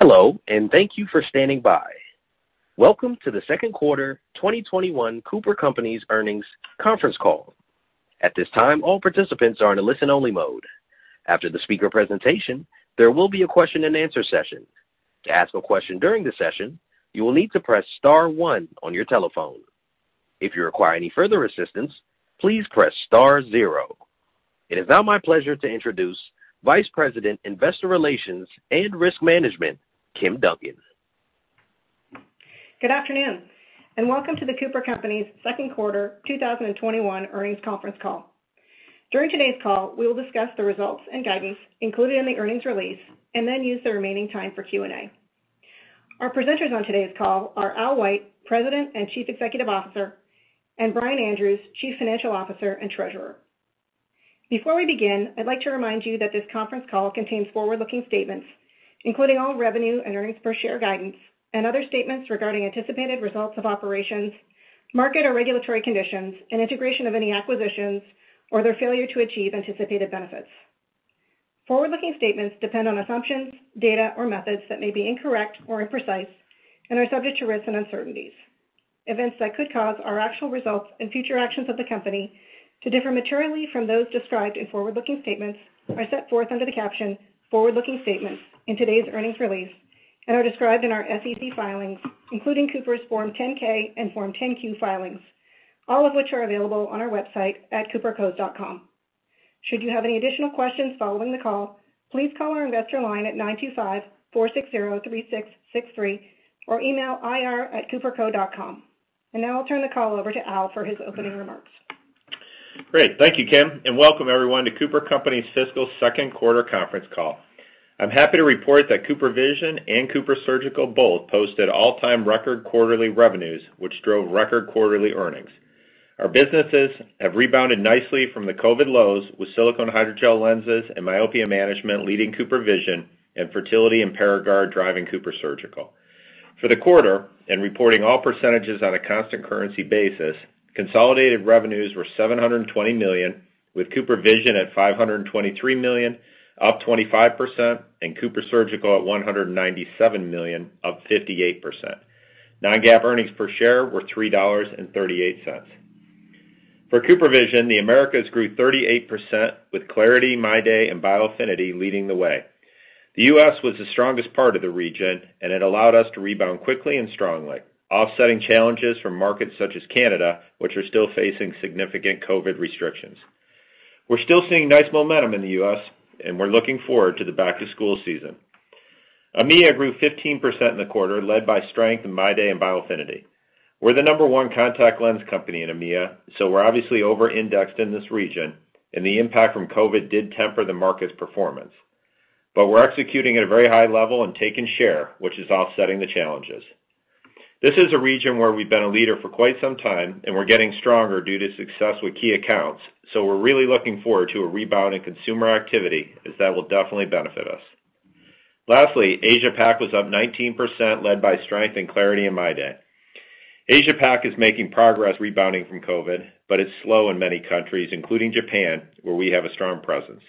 Hello, and thank you for standing by. Welcome to the Second Quarter 2021 The Cooper Companies Earnings Conference Call. At this time, all participants are in listen only mode. After the speaker presentation, there will be a question and answer session. To ask a question during the session, you will need to press star one on your telephone. If you require any further assistance, please press star zero. It is now my pleasure to introduce Vice President, Investor Relations and Risk Management, Kim Duncan. Good afternoon, and welcome to The Cooper Companies' Second Quarter 2021 Earnings Conference Call. During today's call, we will discuss the results and guidance included in the earnings release then use the remaining time for Q&A. Our presenters on today's call are Al White, President and Chief Executive Officer, and Brian Andrews, Chief Financial Officer and Treasurer. Before we begin, I'd like to remind you that this conference call contains forward-looking statements, including our revenue and earnings per share guidance and other statements regarding anticipated results of operations, market or regulatory conditions, and integration of any acquisitions, or their failure to achieve anticipated benefits. Forward-looking statements depend on assumptions, data, or methods that may be incorrect or imprecise and are subject to risks and uncertainties. Events that could cause our actual results and future actions of the company to differ materially from those described in forward-looking statements are set forth under the caption forward-looking statements in today's earnings release and are described in our SEC filings, including Cooper's Form 10-K and Form 10-Q filings, all of which are available on our website at coopercos.com. Should you have any additional questions following the call, please call our investor line at 925-460-3663, or email ir@coopercos.com. Now I'll turn the call over to Al for his opening remarks. Great. Thank you, Kim, and welcome everyone to The Cooper Companies' Fiscal Second Quarter Conference Call. I'm happy to report that CooperVision and CooperSurgical both posted all-time record quarterly revenues, which drove record quarterly earnings. Our businesses have rebounded nicely from the COVID lows with silicone hydrogel lenses and myopia management leading CooperVision, infertility and Paragard driving CooperSurgical. For the quarter, reporting all percentages on a constant currency basis, consolidated revenues were $720 million, with CooperVision at $523 million, up 25%, and CooperSurgical at $197 million, up 58%. non-GAAP earnings per share were $3.38. For CooperVision, the Americas grew 38% with clariti, MyDay, and Biofinity leading the way. The U.S. was the strongest part of the region, it allowed us to rebound quickly and strongly, offsetting challenges from markets such as Canada, which are still facing significant COVID restrictions. We're still seeing nice momentum in the U.S., and we're looking forward to the back-to-school season. EMEA grew 15% in the quarter, led by strength in MyDay and Biofinity. We're the number one contact lens company in EMEA, we're obviously over-indexed in this region, and the impact from COVID did temper the market's performance. We're executing at a very high level and taking share, which is offsetting the challenges. This is a region where we've been a leader for quite some time, and we're getting stronger due to success with key accounts. We're really looking forward to a rebound in consumer activity, as that will definitely benefit us. Lastly, Asia-Pac was up 19%, led by strength in clariti and MyDay. Asia-Pac is making progress rebounding from COVID, it's slow in many countries, including Japan, where we have a strong presence.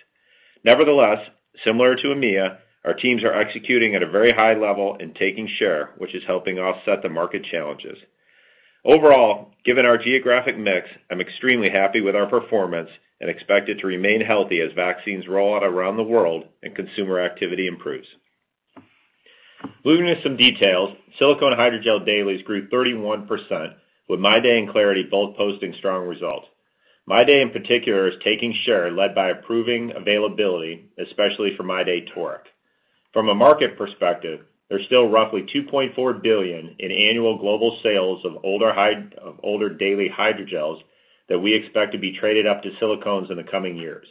Nevertheless, similar to EMEA, our teams are executing at a very high level and taking share, which is helping offset the market challenges. Overall, given our geographic mix, I'm extremely happy with our performance and expect it to remain healthy as vaccines roll out around the world and consumer activity improves. Moving to some details, silicone hydrogel dailies grew 31%, with MyDay and clariti both posting strong results. MyDay in particular is taking share led by improving availability, especially for MyDay toric. From a market perspective, there's still roughly $2.4 billion in annual global sales of older daily hydrogels that we expect to be traded up to silicones in the coming years.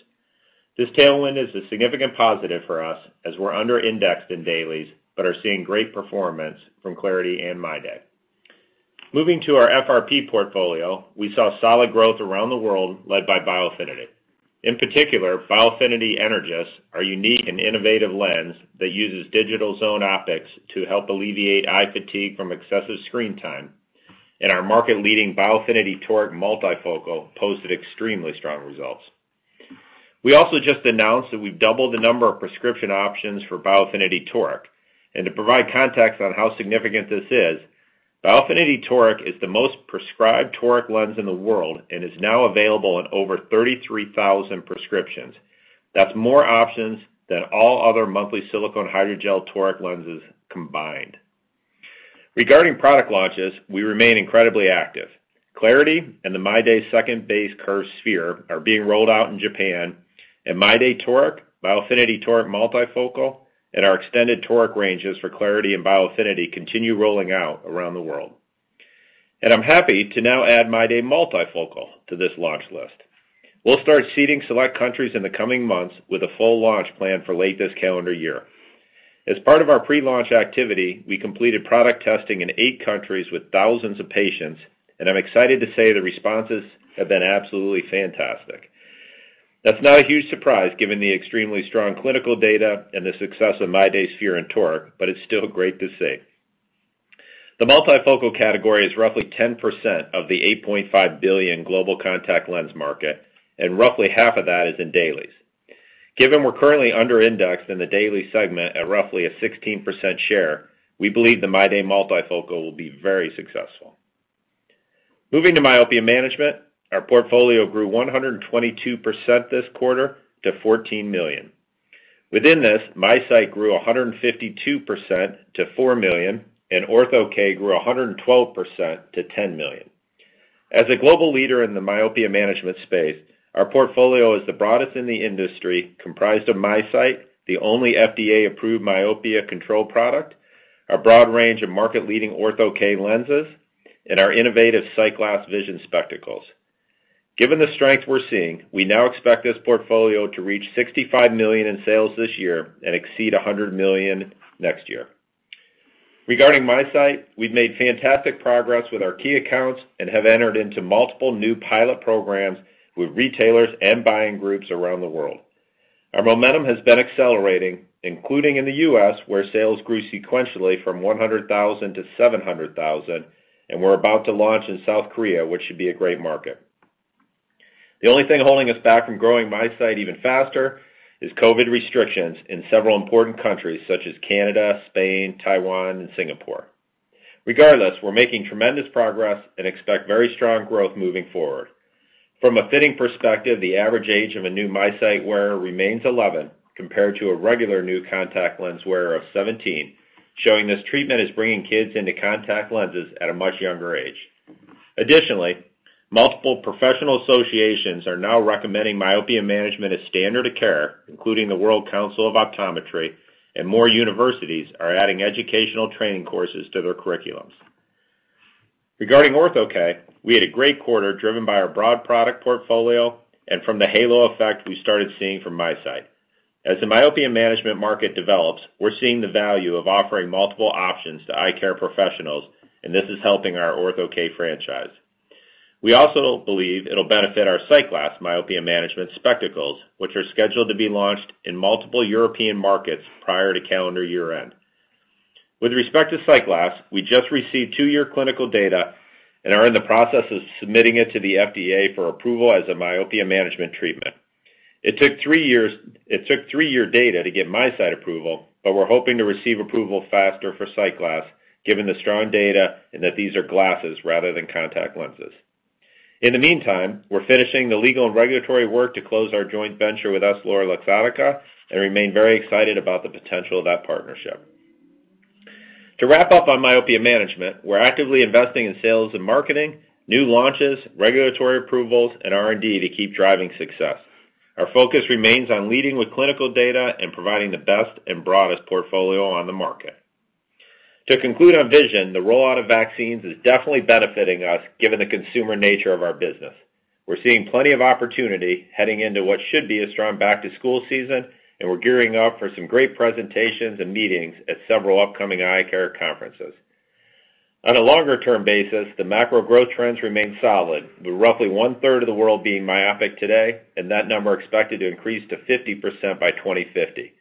This tailwind is a significant positive for us as we're under-indexed in dailies but are seeing great performance from clariti and MyDay. Moving to our FRP portfolio, we saw solid growth around the world led by Biofinity. In particular, Biofinity Energys, our unique and innovative lens that uses Digital Zone Optics to help alleviate eye fatigue from excessive screen time, and our market-leading Biofinity toric multifocal posted extremely strong results. We also just announced that we've doubled the number of prescription options for Biofinity toric. To provide context on how significant this is, Biofinity toric is the most prescribed toric lens in the world and is now available in over 33,000 prescriptions. That's more options than all other monthly silicone hydrogel toric lenses combined. Regarding product launches, we remain incredibly active. clariti and the MyDay second base curve sphere are being rolled out in Japan, and MyDay toric, Biofinity toric multifocal, and our extended toric ranges for clariti and Biofinity continue rolling out around the world. I'm happy to now add MyDay Multifocal to this launch list. We'll start seeding select countries in the coming months with a full launch planned for late this calendar year. As part of our pre-launch activity, we completed product testing in eight countries with thousands of patients, and I'm excited to say the responses have been absolutely fantastic. That's not a huge surprise given the extremely strong clinical data and the success of MyDay sphere and toric, but it's still great to see. The multifocal category is roughly 10% of the $8.5 billion global contact lens market, and roughly half of that is in dailies. Given we're currently under index in the daily segment at roughly a 16% share, we believe the MyDay Multifocal will be very successful. Moving to myopia management, our portfolio grew 122% this quarter to $14 million. Within this, MiSight grew 152% to $4 million, and Ortho-K grew 112% to $10 million. As a global leader in the myopia management space, our portfolio is the broadest in the industry, comprised of MiSight, the only FDA-approved myopia control product, a broad range of market-leading Ortho-K lenses, and our innovative SightGlass Vision spectacles. Given the strength we're seeing, we now expect this portfolio to reach $65 million in sales this year and exceed $100 million next year. Regarding MiSight, we've made fantastic progress with our key accounts and have entered into multiple new pilot programs with retailers and buying groups around the world. Our momentum has been accelerating, including in the U.S., where sales grew sequentially from $100,000 to $700,000, and we're about to launch in South Korea, which should be a great market. The only thing holding us back from growing MiSight even faster is COVID restrictions in several important countries such as Canada, Spain, Taiwan, and Singapore. We're making tremendous progress and expect very strong growth moving forward. From a fitting perspective, the average age of a new MiSight wearer remains 11 compared to a regular new contact lens wearer of 17, showing this treatment is bringing kids into contact lenses at a much younger age. Multiple professional associations are now recommending myopia management as standard of care, including the World Council of Optometry, and more universities are adding educational training courses to their curriculums. Regarding Ortho-K, we had a great quarter driven by our broad product portfolio and from the halo effect we started seeing from MiSight. The myopia management market develops, we're seeing the value of offering multiple options to eye care professionals, and this is helping our Ortho-K franchise. We also believe it'll benefit our SightGlass myopia management spectacles, which are scheduled to be launched in multiple European markets prior to calendar year-end. With respect to SightGlass, we just received two-year clinical data and are in the process of submitting it to the FDA for approval as a myopia management treatment. It took three-year data to get MiSight approval, we're hoping to receive approval faster for SightGlass given the strong data and that these are glasses rather than contact lenses. In the meantime, we're finishing the legal and regulatory work to close our joint venture with EssilorLuxottica and remain very excited about the potential of that partnership. To wrap up on myopia management, we're actively investing in sales and marketing, new launches, regulatory approvals, and R&D to keep driving success. Our focus remains on leading with clinical data and providing the best and broadest portfolio on the market. To conclude on vision, the rollout of vaccines is definitely benefiting us, given the consumer nature of our business. We're seeing plenty of opportunity heading into what should be a strong back-to-school season, and we're gearing up for some great presentations and meetings at several upcoming eye care conferences. On a longer-term basis, the macro growth trends remain solid, with roughly 1/3 of the world being myopic today, and that number expected to increase to 50% by 2050.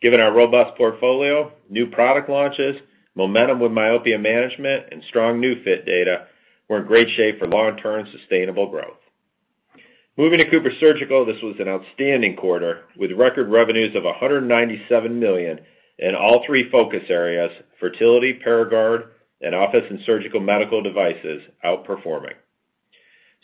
Given our robust portfolio, new product launches, momentum with myopia management, and strong new fit data, we're in great shape for long-term sustainable growth. Moving to CooperSurgical, this was an outstanding quarter with record revenues of $197 million in all three focus areas, fertility, Paragard, and office and surgical medical devices outperforming.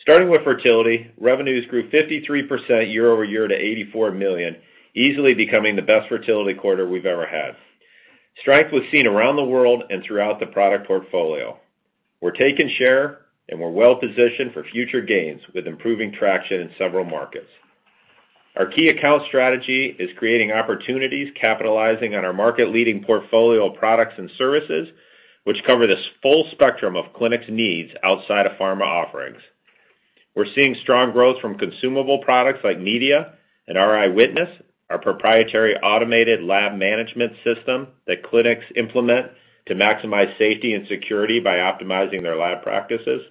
Starting with fertility, revenues grew 53% year-over-year to $84 million, easily becoming the best fertility quarter we've ever had. Strength was seen around the world and throughout the product portfolio. We're taking share, we're well positioned for future gains with improving traction in several markets. Our key account strategy is creating opportunities, capitalizing on our market-leading portfolio of products and services, which cover this full spectrum of clinics' needs outside of pharma offerings. We're seeing strong growth from consumable products like media and our RI Witness, our proprietary automated lab management system that clinics implement to maximize safety and security by optimizing their lab practices.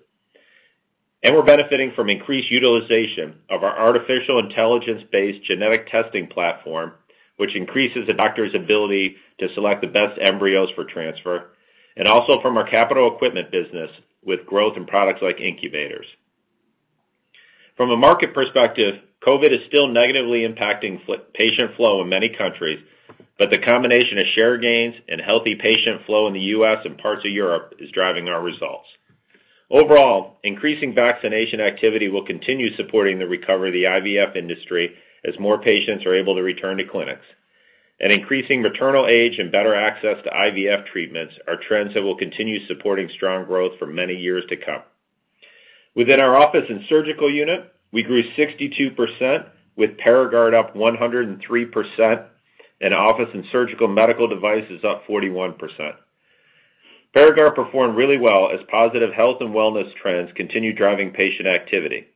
We're benefiting from increased utilization of our artificial intelligence-based genetic testing platform, which increases the doctor's ability to select the best embryos for transfer, and also from our capital equipment business with growth in products like incubators. From a market perspective, COVID is still negatively impacting patient flow in many countries, but the combination of share gains and healthy patient flow in the U.S. and parts of Europe is driving our results. Overall, increasing vaccination activity will continue supporting the recovery of the IVF industry as more patients are able to return to clinics. Increasing maternal age and better access to IVF treatments are trends that will continue supporting strong growth for many years to come. Within our office and surgical unit, we grew 62%, with Paragard up 103% and office and surgical medical devices up 41%. Paragard performed really well as positive health and wellness trends continue driving patient activity.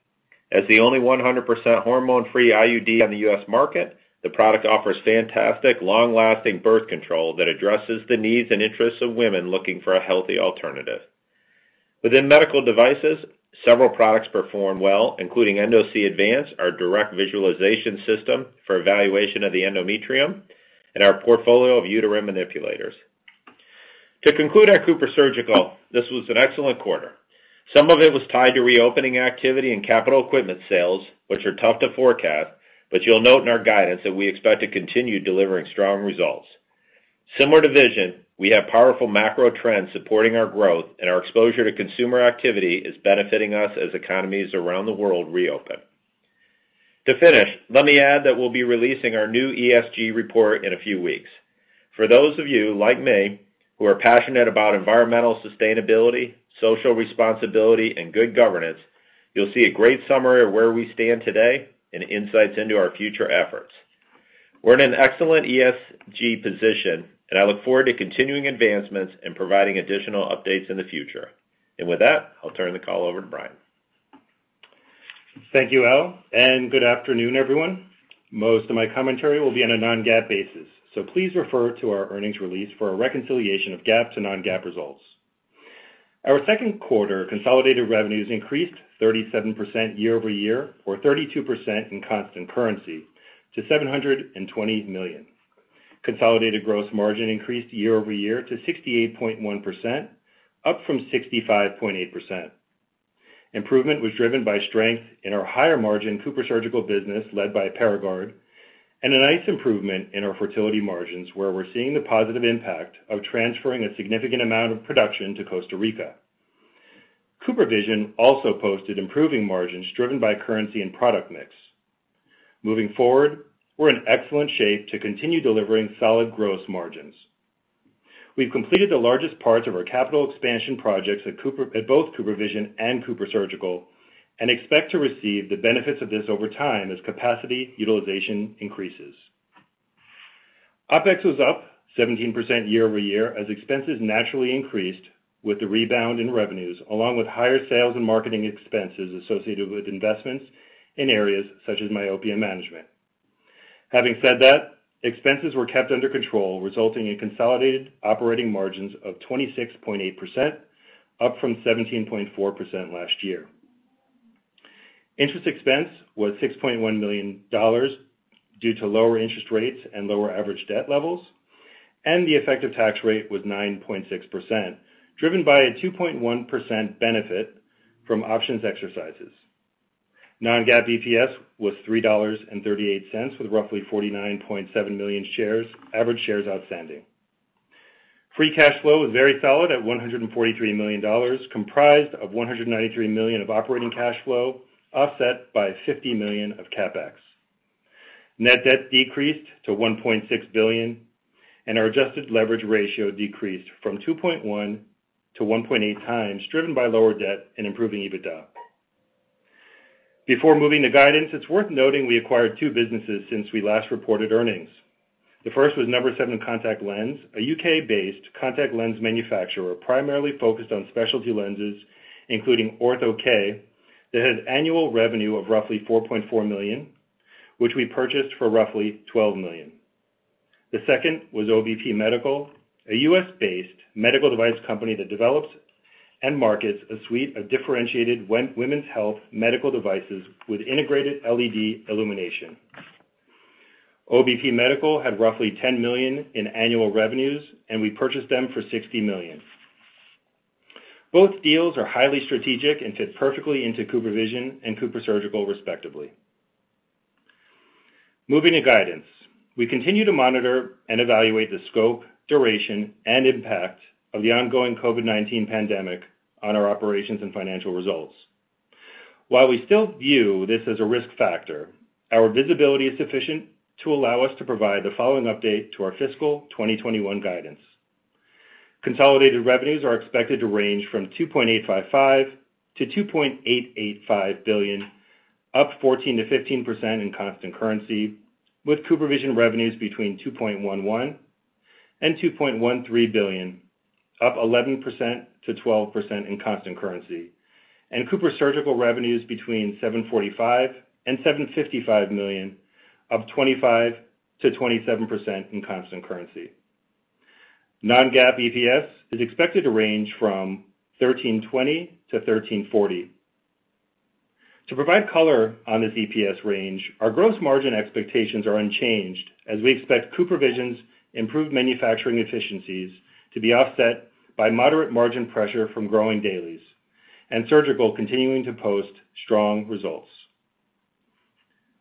As the only 100% hormone-free IUD on the U.S. market, the product offers fantastic long-lasting birth control that addresses the needs and interests of women looking for a healthy alternative. Within medical devices, several products performed well, including Endosee Advance, our direct visualization system for evaluation of the endometrium, and our portfolio of uterine manipulators. To conclude our CooperSurgical, this was an excellent quarter. Some of it was tied to reopening activity and capital equipment sales, which are tough to forecast, but you'll note in our guidance that we expect to continue delivering strong results. Similar to vision, we have powerful macro trends supporting our growth, and our exposure to consumer activity is benefiting us as economies around the world reopen. To finish, let me add that we'll be releasing our new ESG report in a few weeks. For those of you, like me, who are passionate about environmental sustainability, social responsibility, and good governance, you'll see a great summary of where we stand today and insights into our future efforts. We're in an excellent ESG position, and I look forward to continuing advancements and providing additional updates in the future. With that, I'll turn the call over to Brian. Thank you, Al. Good afternoon, everyone. Most of my commentary will be on a non-GAAP basis. Please refer to our earnings release for a reconciliation of GAAP to non-GAAP results. Our second quarter consolidated revenues increased 37% year-over-year, or 32% in constant currency, to $720 million. Consolidated gross margin increased year-over-year to 68.1%, up from 65.8%. Improvement was driven by strength in our higher margin CooperSurgical business led by Paragard, and a nice improvement in our fertility margins, where we're seeing the positive impact of transferring a significant amount of production to Costa Rica. CooperVision also posted improving margins driven by currency and product mix. Moving forward, we're in excellent shape to continue delivering solid gross margins. We've completed the largest parts of our capital expansion projects at both CooperVision and CooperSurgical, and expect to receive the benefits of this over time as capacity utilization increases. OpEx was up 17% year-over-year as expenses naturally increased with the rebound in revenues, along with higher sales and marketing expenses associated with investments in areas such as myopia management. Having said that, expenses were kept under control, resulting in consolidated operating margins of 26.8%, up from 17.4% last year. Interest expense was $6.1 million due to lower interest rates and lower average debt levels, and the effective tax rate was 9.6%, driven by a 2.1% benefit from options exercises. non-GAAP EPS was $3.38, with roughly 49.7 million average shares outstanding. Free cash flow was very solid at $143 million, comprised of $193 million of operating cash flow offset by $50 million of CapEx. Net debt decreased to $1.6 billion, and our adjusted leverage ratio decreased from 2.1x to 1.8x, driven by lower debt and improving EBITDA. Before moving to guidance, it's worth noting we acquired two businesses since we last reported earnings. The first was No.7 Contact Lenses, a U.K.-based contact lens manufacturer primarily focused on specialty lenses, including Ortho-K, that had annual revenue of roughly $4.4 million, which we purchased for roughly $12 million. The second was OBP Medical, a U.S.-based medical device company that develops and markets a suite of differentiated women's health medical devices with integrated LED illumination. OBP Medical had roughly $10 million in annual revenues, and we purchased them for $60 million. Both deals are highly strategic and fit perfectly into CooperVision and CooperSurgical, respectively. Moving to guidance. We continue to monitor and evaluate the scope, duration, and impact of the ongoing COVID-19 pandemic on our operations and financial results. While we still view this as a risk factor, our visibility is sufficient to allow us to provide the following update to our fiscal 2021 guidance. Consolidated revenues are expected to range from $2.855 billion-$2.885 billion, up 14%-15% in constant currency, with CooperVision revenues between $2.11 billion and $2.13 billion, up 11%-12% in constant currency. CooperSurgical revenues between $745 million and $755 million, up 25%-27% in constant currency. Non-GAAP EPS is expected to range from $13.20-$13.40. To provide color on this EPS range, our gross margin expectations are unchanged as we expect CooperVision's improved manufacturing efficiencies to be offset by moderate margin pressure from growing dailies, and surgical continuing to post strong results.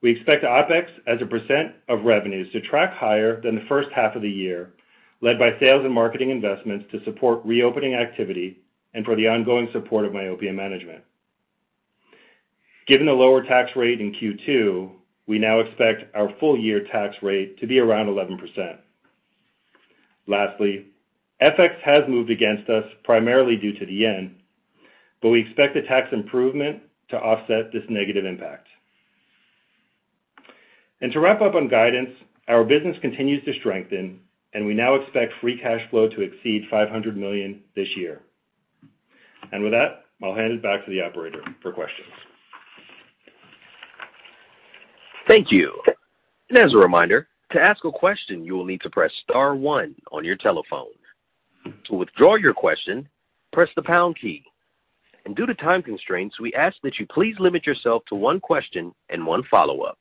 We expect OpEx as a percent of revenues to track higher than the first half of the year, led by sales and marketing investments to support reopening activity and for the ongoing support of myopia management. Given the lower tax rate in Q2, we now expect our full year tax rate to be around 11%. Lastly, FX has moved against us primarily due to the yen, we expect a tax improvement to offset this negative impact. To wrap up on guidance, our business continues to strengthen, and we now expect free cash flow to exceed $500 million this year. With that, I'll hand it back to the operator for questions. Thank you. As a reminder, to ask a question, you will need to press star one on your telephone. To withdraw your question, press the pound key. Due to time constraints, we ask that you please limit yourself to one question and one follow-up.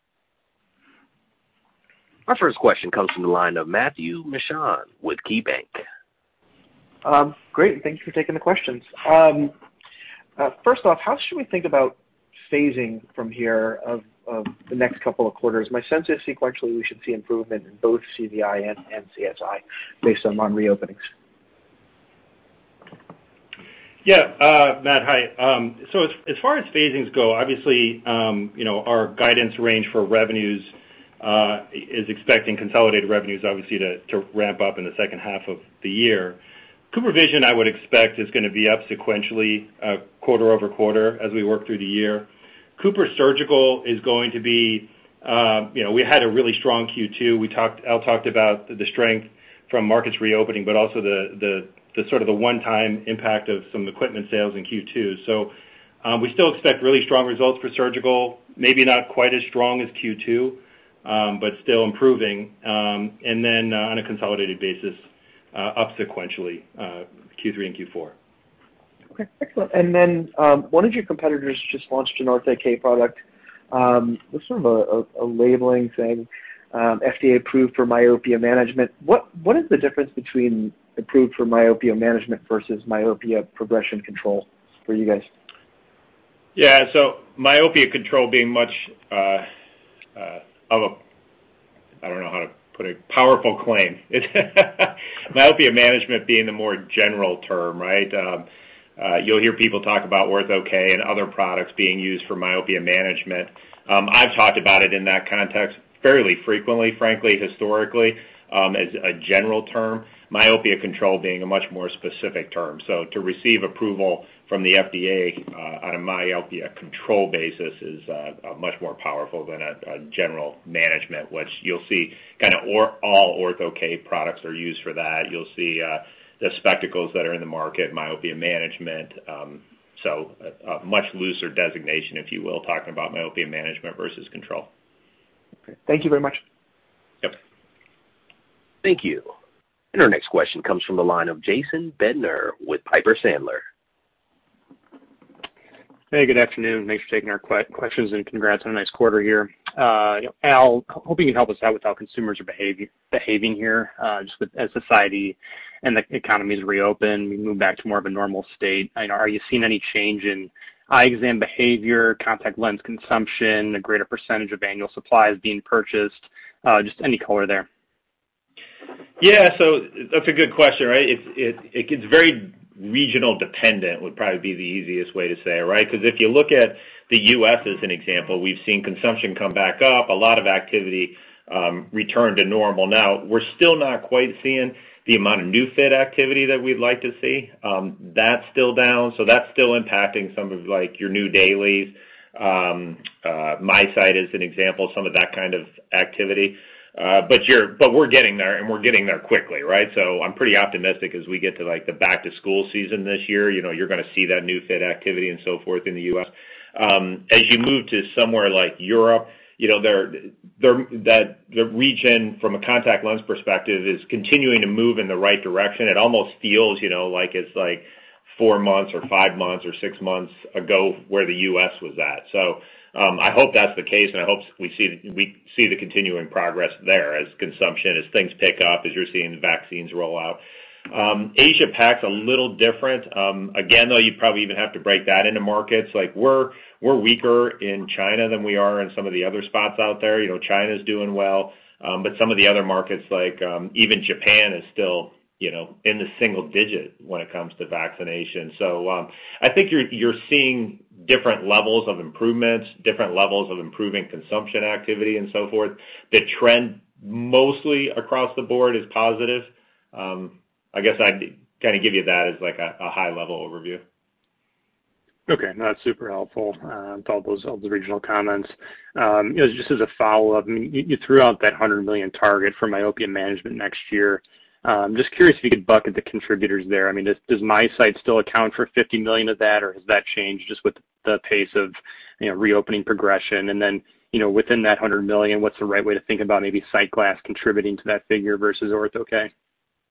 Our first question comes from the line of Matthew Mishan with KeyBanc. Great. Thanks for taking the questions. First off, how should we think about phasing from here of the next couple of quarters? My sense is sequentially, we should see improvement in both CVI and CSI based on reopenings. Yeah. Matt, hi. As far as phasings go, obviously, our guidance range for revenues is expecting consolidated revenues, obviously, to ramp up in the second half of the year. CooperVision, I would expect, is going to be up sequentially, quarter-over-quarter as we work through the year. CooperSurgical. We had a really strong Q2. Al talked about the strength from markets reopening, but also the one-time impact of some equipment sales in Q2. We still expect really strong results for surgical, maybe not quite as strong as Q2, but still improving. On a consolidated basis, up sequentially, Q3 and Q4. Okay. One of your competitors just launched an Ortho-K product, sort of a labeling thing, FDA-approved for myopia management. What is the difference between approved for myopia management versus myopia progression control for you guys? Myopia control being much of a, I don't know how to put it, powerful claim. Myopia management being the more general term, right? You'll hear people talk about Ortho-K and other products being used for myopia management. I've talked about it in that context fairly frequently, frankly, historically, as a general term, myopia control being a much more specific term. To receive approval from the FDA on a myopia control basis is a much more powerful than a general management, which you'll see all Ortho-K products are used for that. You'll see the spectacles that are in the market, myopia management. A much looser designation, if you will, talking about myopia management versus control. Okay. Thank you very much. Yep. Thank you. Our next question comes from the line of Jason Bednar with Piper Sandler. Hey, good afternoon. Thanks for taking our questions. Congrats on a nice quarter here. Al, hoping you can help us out with how consumers are behaving here. Just as society and the economy is reopened, we move back to more of a normal state. Are you seeing any change in eye exam behavior, contact lens consumption, a greater percentage of annual supplies being purchased? Just any color there. That's a good question, right? It gets very regional dependent, would probably be the easiest way to say, right? Because if you look at the U.S. as an example, we've seen consumption come back up, a lot of activity return to normal. We're still not quite seeing the amount of new fit activity that we'd like to see. That's still down. That's still impacting some of your new dailies. MiSight is an example of some of that kind of activity. We're getting there and we're getting there quickly, right? I'm pretty optimistic as we get to the back-to-school season this year, you're going to see that new fit activity and so forth in the U.S. As you move to somewhere like Europe, the region from a contact lens perspective is continuing to move in the right direction. It almost feels like it's four months or five months or six months ago where the U.S. was at. I hope that's the case, and I hope we see the continuing progress there as consumption, as things pick up, as you're seeing the vaccines roll out. Asia-Pac, a little different. Again, though, you probably even have to break that into markets. We're weaker in China than we are in some of the other spots out there. China's doing well. Some of the other markets, like even Japan, is still in the single digit when it comes to vaccination. I think you're seeing different levels of improvements, different levels of improving consumption activity, and so forth. The trend mostly across the board is positive. I guess I'd give you that as a high-level overview. Okay. No, that's super helpful with all those regional comments. As a follow-up, you threw out that $100 million target for myopia management next year. Curious if you could bucket the contributors there. Does MiSight still account for $50 million of that, or has that changed just with the pace of reopening progression? Within that $100 million, what's the right way to think about maybe SightGlass contributing to that figure versus Ortho-K?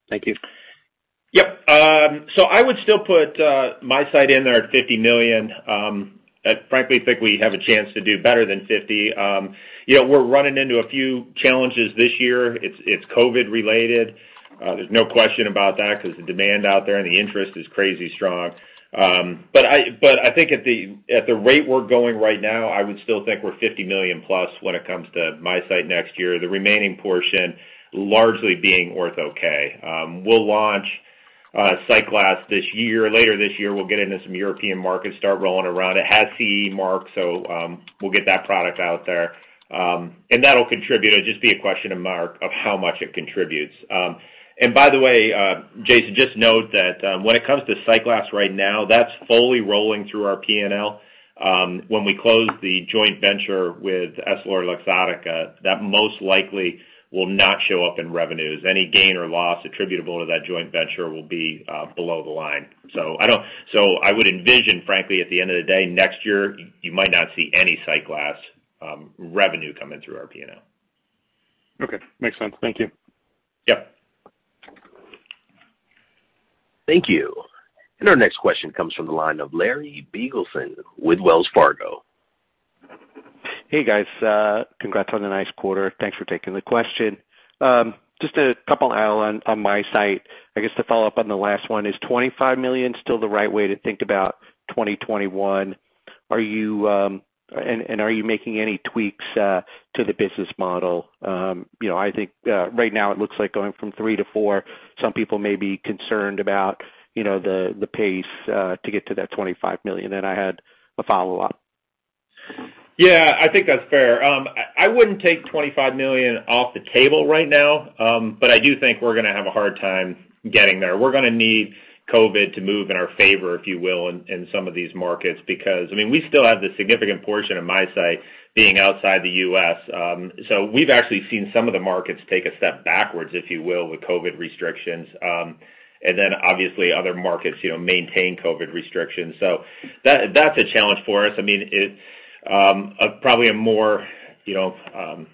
Thank you. Yep. I would still put MiSight in there at $50 million. Frankly, I think we have a chance to do better than $50 million. We're running into a few challenges this year. It's COVID related. There's no question about that because the demand out there and the interest is crazy strong. I think at the rate we're going right now, I would still think we're $50+ million when it comes to MiSight next year, the remaining portion largely being Ortho-K. We'll launch SightGlass this year. Later this year, we'll get into some European markets, start rolling around. It has CE mark, so we'll get that product out there. That'll contribute. It'll just be a question of mark of how much it contributes. By the way, Jason, just note that when it comes to SightGlass right now, that's fully rolling through our P&L. When we close the joint venture with EssilorLuxottica, that most likely will not show up in revenues. Any gain or loss attributable to that joint venture will be below the line. I would envision, frankly, at the end of the day, next year, you might not see any SightGlass revenue coming through our P&L. Okay. Makes sense. Thank you. Yep. Thank you. Our next question comes from the line of Larry Biegelsen with Wells Fargo. Hey, guys. Congrats on the nice quarter. Thanks for taking the question. Just a couple, Al, on MiSight. I guess to follow up on the last one, is $25 million still the right way to think about 2021? Are you making any tweaks to the business model? I think right now it looks like going from three to four. Some people may be concerned about the pace to get to that $25 million. Then I had a follow-up. Yeah, I think that's fair. I wouldn't take $25 million off the table right now. I do think we're going to have a hard time getting there. We're going to need COVID to move in our favor, if you will, in some of these markets, because we still have the significant portion of MiSight being outside the U.S. We've actually seen some of the markets take a step backwards, if you will, with COVID restrictions. Obviously other markets maintain COVID restrictions. That's a challenge for us. Probably a more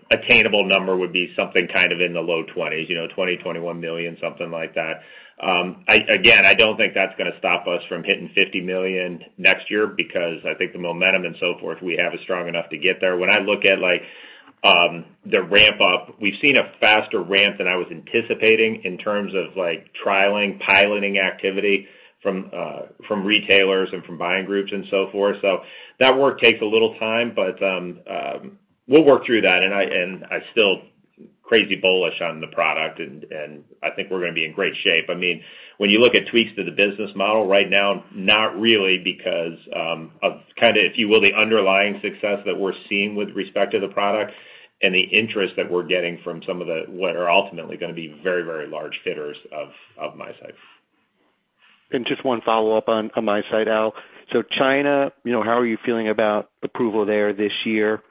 attainable number would be something kind of in the low twenties, $20 million, $21 million, something like that. Again, I don't think that's going to stop us from hitting $50 million next year because I think the momentum and so forth we have is strong enough to get there. When I look at the ramp up, we've seen a faster ramp than I was anticipating in terms of trialing, piloting activity from retailers and from buying groups and so forth. That work takes a little time, but we'll work through that. I'm still crazy bullish on the product, and I think we're going to be in great shape. When you look at tweaks to the business model right now, not really because of kind of, if you will, the underlying success that we're seeing with respect to the product and the interest that we're getting from some of what are ultimately going to be very large fitters of MiSight. Just one follow-up on MiSight, Al. China, how are you feeling about approval there this year?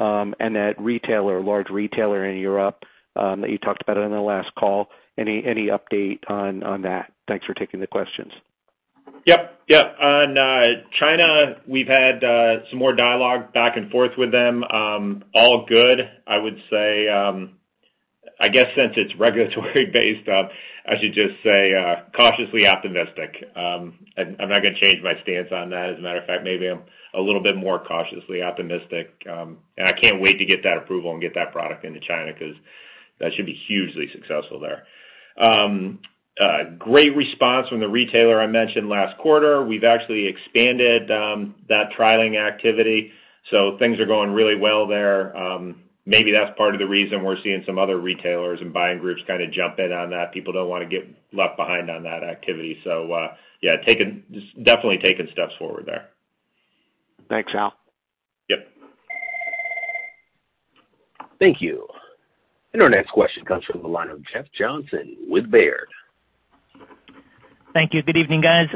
That large retailer in Europe that you talked about on the last call, any update on that? Thanks for taking the questions. Yep. On China, we've had some more dialogue back and forth with them. All good. I would say, I guess since it's regulatory based, I should just say cautiously optimistic. I'm not going to change my stance on that. As a matter of fact, maybe I'm a little bit more cautiously optimistic. I can't wait to get that approval and get that product into China, because that should be hugely successful there. Great response from the retailer I mentioned last quarter. We've actually expanded that trialing activity, so things are going really well there. Maybe that's part of the reason we're seeing some other retailers and buying groups kind of jump in on that. People don't want to get left behind on that activity. Yeah, definitely taking steps forward there. Thanks, Al. Yep. Thank you. Our next question comes from the line of Jeff Johnson with Baird. Thank you. Good evening, guys.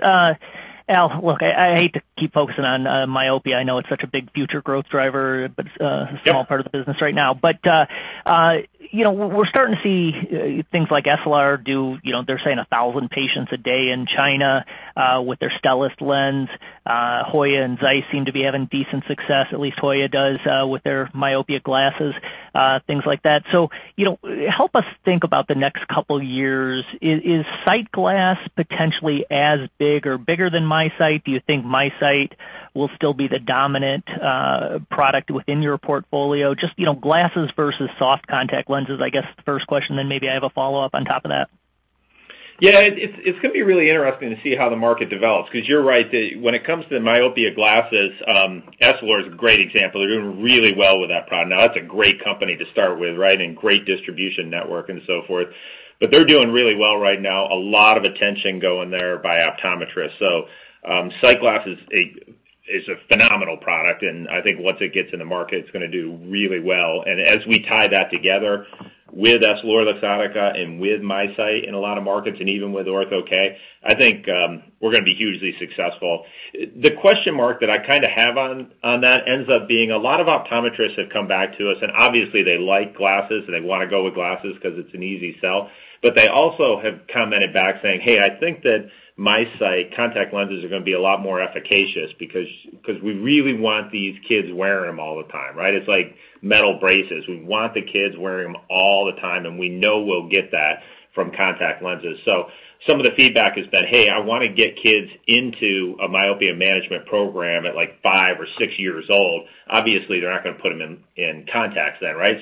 Al, look, I hate to keep focusing on myopia. I know it's such a big future growth driver, a small part of the business right now. We're starting to see things like Essilor do, they're saying 1,000 patients a day in China with their Stellest lens. Hoya and ZEISS seem to be having decent success, at least Hoya does, with their myopia glasses, things like that. Help us think about the next couple years. Is SightGlass Vision potentially as big or bigger than MiSight? Do you think MiSight will still be the dominant product within your portfolio? Just glasses versus soft contact lenses, I guess the first question, then maybe I have a follow-up on top of that. Yeah. It's going to be really interesting to see how the market develops, because you're right that when it comes to myopia glasses, Essilor is a great example. They're doing really well with that product. Now, that's a great company to start with, right? And great distribution network and so forth. But they're doing really well right now. A lot of attention going there by optometrists. So SightGlass is a phenomenal product, and I think once it gets in the market, it's going to do really well. And as we tie that together with EssilorLuxottica and with MiSight in a lot of markets, and even with Ortho-K, I think we're going to be hugely successful. The question mark that I kind of have on that ends up being a lot of optometrists have come back to us, and obviously they like glasses, and they want to go with glasses because it's an easy sell. They also have commented back saying, "Hey, I think that MiSight contact lenses are going to be a lot more efficacious because we really want these kids wearing them all the time." Right? It's like metal braces. We want the kids wearing them all the time, and we know we'll get that from contact lenses. Some of the feedback has been, "Hey, I want to get kids into a myopia management program at five or six years old." Obviously, they're not going to put them in contacts then. Right?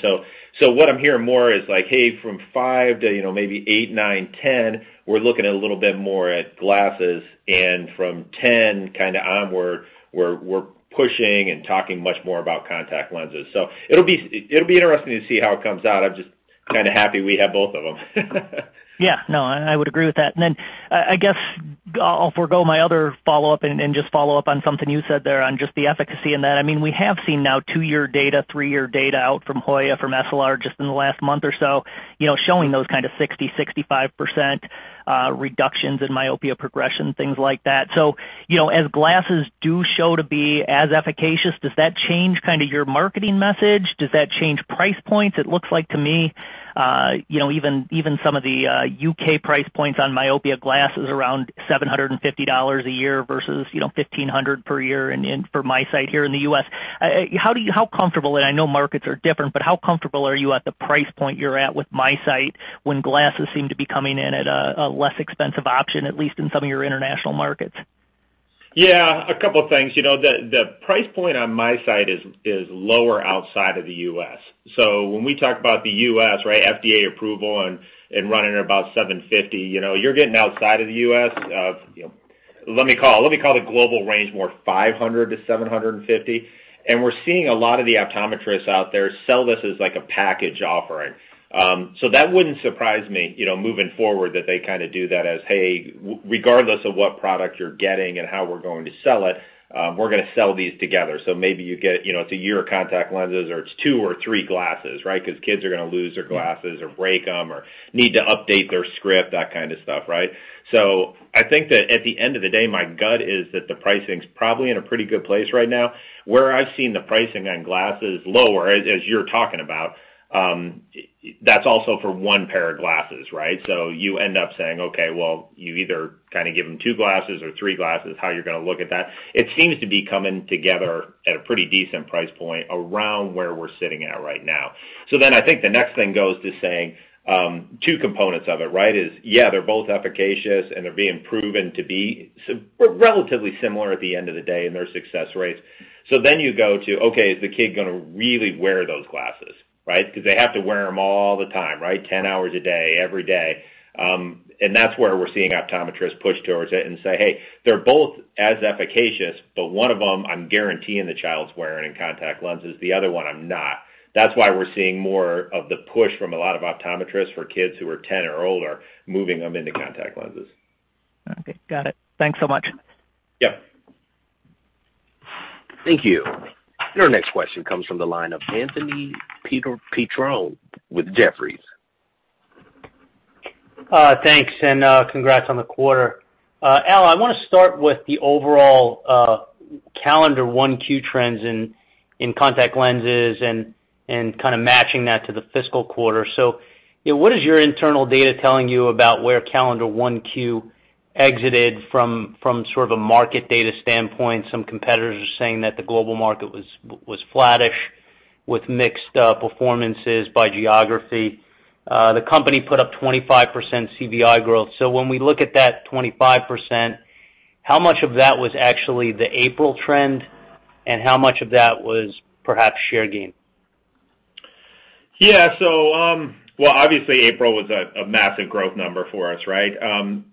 What I'm hearing more is like, "Hey, from five to maybe eight, nine, 10, we're looking a little bit more at glasses, and from 10 kind of onward, we're pushing and talking much more about contact lenses." It'll be interesting to see how it comes out. I'm just kind of happy we have both of them. Yeah. No, I would agree with that. I guess I'll forego my other follow-up and just follow up on something you said there on just the efficacy in that. We have seen now two-year data, three-year data out from Hoya, from Essilor just in the last month or so, showing those kind of 60%, 65% reductions in myopia progression, things like that. As glasses do show to be as efficacious, does that change kind of your marketing message? Does that change price points? It looks like to me even some of the U.K. price points on myopia glasses around $750 a year versus $1,500 per year for MiSight here in the U.S. I know markets are different, but how comfortable are you at the price point you're at with MiSight when glasses seem to be coming in at a less expensive option, at least in some of your international markets? Yeah, a couple of things. The price point on MiSight is lower outside of the U.S. When we talk about the U.S., FDA approval, and running at about $750, you're getting outside of the U.S., let me call the global range more $500-$750. We're seeing a lot of the optometrists out there sell this as like a package offering. That wouldn't surprise me, moving forward that they kind of do that as, "Hey, regardless of what product you're getting and how we're going to sell it, we're going to sell these together." Maybe it's a year of contact lenses or it's two or three glasses. Because kids are going to lose their glasses or break them or need to update their script, that kind of stuff. I think that at the end of the day, my gut is that the pricing's probably in a pretty good place right now. Where I've seen the pricing on glasses lower, as you're talking about, that's also for one pair of glasses. You end up saying, okay, well, you either kind of give them two glasses or three glasses, how you're going to look at that. It seems to be coming together at a pretty decent price point around where we're sitting at right now. I think the next thing goes to saying two components of it. Yeah, they're both efficacious, and they're being proven to be relatively similar at the end of the day in their success rates. You go to, okay, is the kid going to really wear those glasses? Because they have to wear them all the time. 10 hours a day, every day. That's where we're seeing optometrists push towards it and say, "Hey, they're both as efficacious, but one of them I'm guaranteeing the child's wearing in contact lenses. The other one, I'm not." That's why we're seeing more of the push from a lot of optometrists for kids who are 10 or older, moving them into contact lenses. Okay. Got it. Thanks so much. Yeah. Thank you. Your next question comes from the line of Anthony Petrone with Jefferies. Thanks. Congrats on the quarter. Al, I want to start with the overall calendar 1Q trends in contact lenses and kind of matching that to the fiscal quarter. What is your internal data telling you about where calendar 1Q exited from sort of a market data standpoint? Some competitors are saying that the global market was flattish with mixed performances by geography. The company put up 25% CVI growth. When we look at that 25%, how much of that was actually the April trend, and how much of that was perhaps share gain? Yeah. Well, obviously April was a massive growth number for us.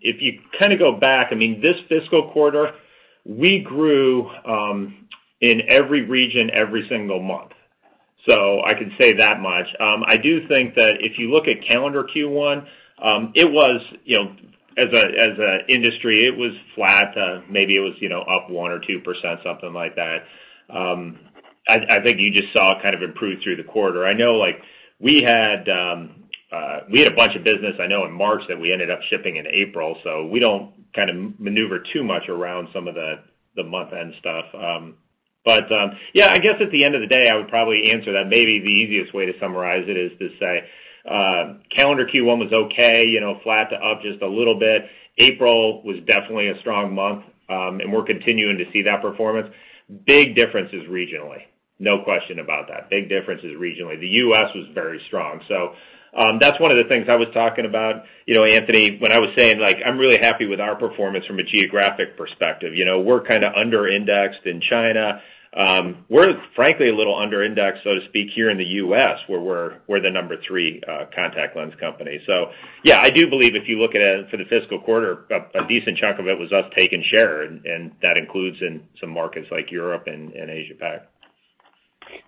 If you kind of go back, this fiscal quarter, we grew in every region every single month. I can say that much. I do think that if you look at calendar Q1, as an industry, it was flat. Maybe it was up 1% or 2%, something like that. I think you just saw it kind of improve through the quarter. I know we had a bunch of business in March that we ended up shipping in April, so we don't kind of maneuver too much around some of the month-end stuff. I guess at the end of the day, I would probably answer that maybe the easiest way to summarize it is to say calendar Q1 was okay, flat to up just a little bit. April was definitely a strong month. We're continuing to see that performance. Big differences regionally, no question about that. Big differences regionally. The U.S. was very strong. That's one of the things I was talking about, Anthony, when I was saying I'm really happy with our performance from a geographic perspective. We're kind of under-indexed in China. We're frankly a little under-indexed, so to speak, here in the U.S., where we're the number three contact lens company. Yeah, I do believe if you look at it for the fiscal quarter, a decent chunk of it was us taking share, and that includes in some markets like Europe and Asia-Pac.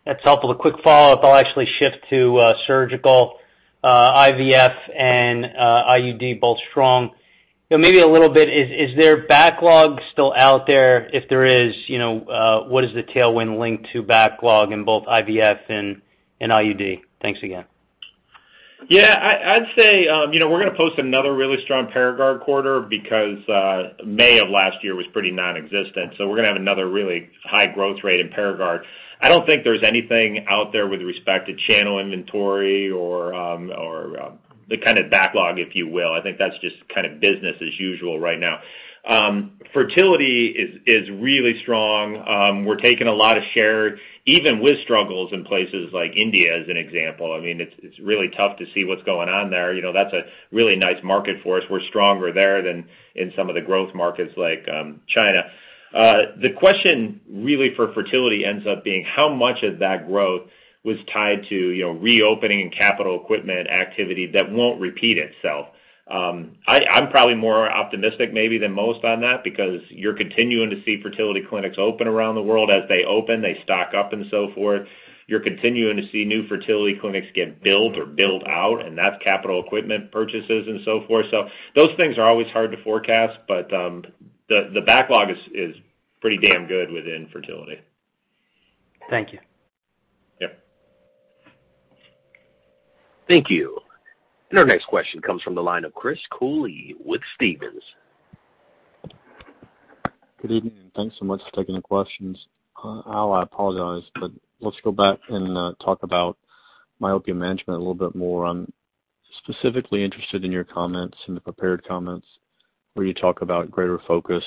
That's helpful. A quick follow-up. I'll actually shift to surgical. IVF and IUD, both strong. Maybe a little bit, is there backlog still out there? If there is, what is the tailwind linked to backlog in both IVF and IUD? Thanks again. Yeah. I'd say we're going to post another really strong Paragard quarter because May of last year was pretty nonexistent. We're going to have another really high growth rate in Paragard. I don't think there's anything out there with respect to channel inventory or the kind of backlog, if you will. I think that's just kind of business as usual right now. Fertility is really strong. We're taking a lot of share, even with struggles in places like India, as an example. It's really tough to see what's going on there. That's a really nice market for us. We're stronger there than in some of the growth markets like China. The question really for fertility ends up being how much of that growth was tied to reopening and capital equipment activity that won't repeat itself? I'm probably more optimistic maybe than most on that because you're continuing to see fertility clinics open around the world. As they open, they stock up and so forth. You're continuing to see new fertility clinics get built or built out, and that's capital equipment purchases and so forth. Those things are always hard to forecast, but the backlog is pretty damn good within fertility. Thank you. Yeah. Thank you. Our next question comes from the line of Chris Cooley with Stephens. Good evening, and thanks so much for taking the questions. Al, I apologize, let's go back and talk about myopia management a little bit more. I'm specifically interested in your comments, in the prepared comments, where you talk about greater focus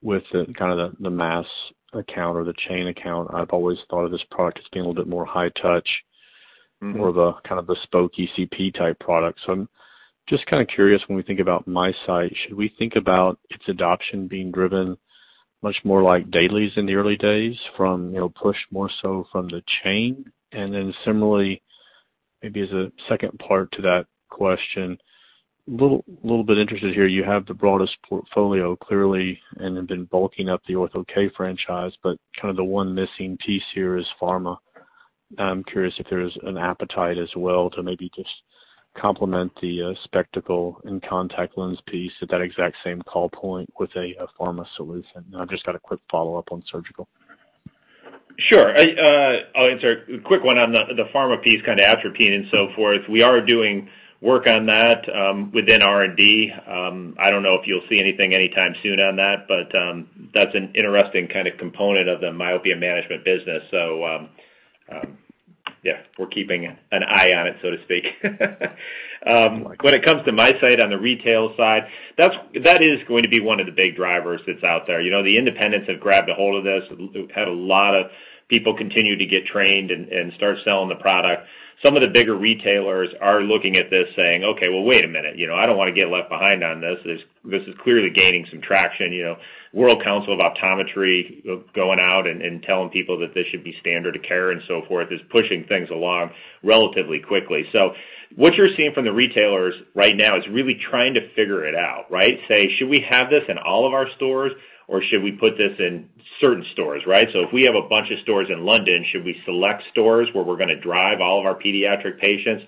with kind of the mass account or the chain account. I've always thought of this product as being a little bit more high touch. More of the kind of bespoke ECP-type product. I'm just kind of curious, when we think about MiSight, should we think about its adoption being driven much more like dailies in the early days from pushed more so from the chain? Similarly, maybe as a second part to that question, little bit interested here. You have the broadest portfolio, clearly, and have been bulking up the Ortho-K franchise, but kind of the one missing piece here is pharma. I'm curious if there's an appetite as well to maybe just complement the spectacle and contact lens piece at that exact same call point with a pharma solution. I've just got a quick follow-up on surgical. Sure. I'll answer a quick one on the pharma piece, kind of atropine and so forth. We are doing work on that within R&D. I don't know if you'll see anything anytime soon on that, but that's an interesting kind of component of the myopia management business. Yeah, we're keeping an eye on it, so to speak. Like it. When it comes to MiSight on the retail side, that is going to be one of the big drivers that's out there. The independents have grabbed a hold of this, have had a lot of people continue to get trained and start selling the product. Some of the bigger retailers are looking at this saying, "Okay, well, wait a minute. I don't want to get left behind on this. This is clearly gaining some traction." World Council of Optometry going out and telling people that this should be standard care and so forth is pushing things along relatively quickly. What you're seeing from the retailers right now is really trying to figure it out, right? Say, "Should we have this in all of our stores, or should we put this in certain stores," right? If we have a bunch of stores in London, should we select stores where we're going to drive all of our pediatric patients,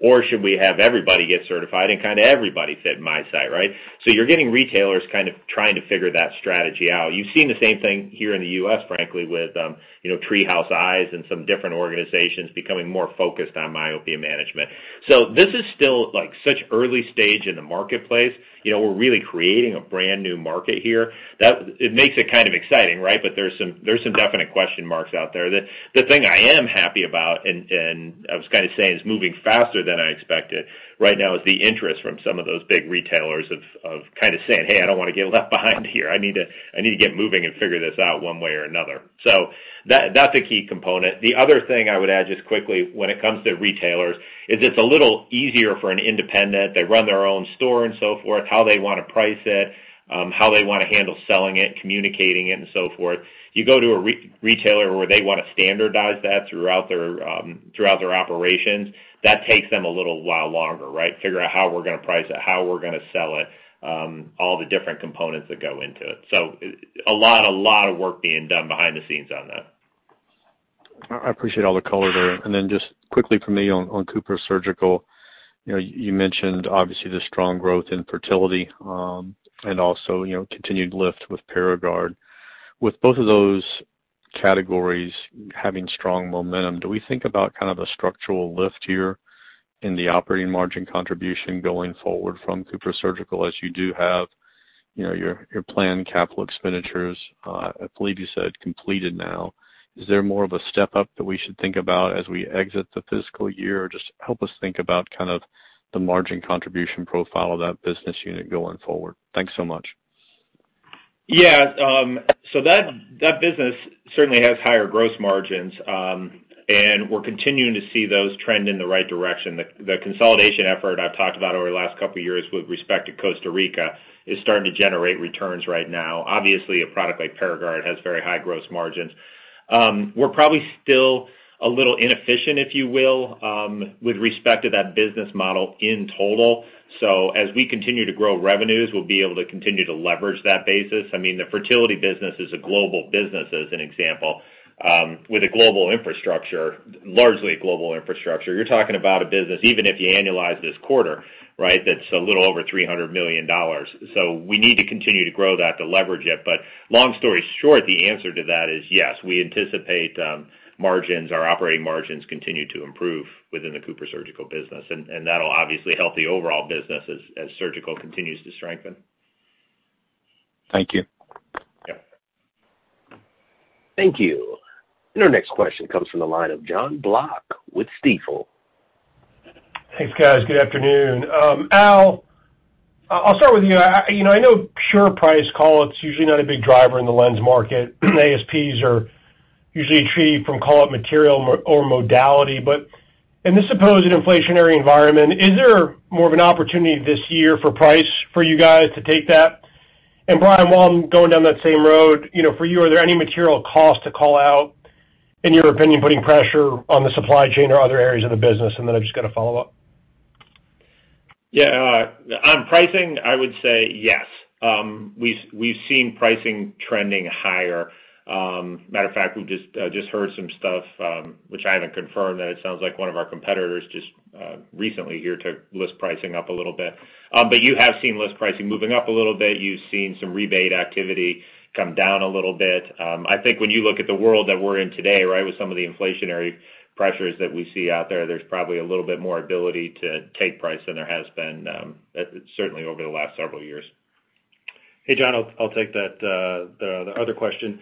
or should we have everybody get certified and kind of everybody fit MiSight," right? You're getting retailers kind of trying to figure that strategy out. You've seen the same thing here in the U.S., frankly, with Treehouse Eyes and some different organizations becoming more focused on myopia management. This is still such early stage in the marketplace. We're really creating a brand-new market here. It makes it kind of exciting, right? There's some definite question marks out there. The thing I am happy about, and I was kind of saying, is moving faster than I expected right now is the interest from some of those big retailers of kind of saying, "Hey, I don't want to get left behind here. I need to get moving and figure this out one way or another. That's a key component. The other thing I would add just quickly when it comes to retailers is it's a little easier for an independent. They run their own store and so forth, how they want to price it, how they want to handle selling it, communicating it, and so forth. You go to a retailer where they want to standardize that throughout their operations, that takes them a little while longer, right? Figure out how we're going to price it, how we're going to sell it, all the different components that go into it. A lot of work being done behind the scenes on that. I appreciate all the color there. Just quickly from me on CooperSurgical. You mentioned, obviously, the strong growth in fertility, and also continued lift with Paragard. With both of those categories having strong momentum, do we think about kind of a structural lift here in the operating margin contribution going forward from CooperSurgical as you do have your planned capital expenditures, I believe you said completed now? Is there more of a step-up that we should think about as we exit the fiscal year? Just help us think about kind of the margin contribution profile of that business unit going forward. Thanks so much. Yeah. That business certainly has higher gross margins. We're continuing to see those trend in the right direction. The consolidation effort I've talked about over the last couple of years with respect to Costa Rica is starting to generate returns right now. Obviously, a product like Paragard has very high gross margins. We're probably still a little inefficient, if you will, with respect to that business model in total. As we continue to grow revenues, we'll be able to continue to leverage that basis. I mean, the fertility business is a global business, as an example, with a global infrastructure, largely a global infrastructure. You're talking about a business, even if you annualize this quarter, right, that's a little over $300 million. We need to continue to grow that to leverage it. Long story short, the answer to that is yes. We anticipate margins, our operating margins continue to improve within the CooperSurgical business. That'll obviously help the overall business as surgical continues to strengthen. Thank you. Yeah. Thank you. Our next question comes from the line of Jon Block with Stifel. Thanks, guys. Good afternoon. Al, I'll start with you. I know pure price [call outs] usually not a big driver in the lens market. ASPs are usually achieved from [call out] material or modality. In this supposed inflationary environment, is there more of an opportunity this year for price for you guys to take that? Brian, while I'm going down that same road, for you, are there any material costs to [call out], in your opinion, putting pressure on the supply chain or other areas of the business? I've just got a follow-up. Yeah. On pricing, I would say yes. Matter of fact, we've seen pricing trending higher. Matter of fact, we've just heard some stuff, which I haven't confirmed, that it sounds like one of our competitors just recently here took list pricing up a little bit. You have seen list pricing moving up a little bit. You've seen some rebate activity come down a little bit. I think when you look at the world that we're in today, right, with some of the inflationary pressures that we see out there's probably a little bit more ability to take price than there has been, certainly over the last several years. Hey, Jon, I'll take the other question.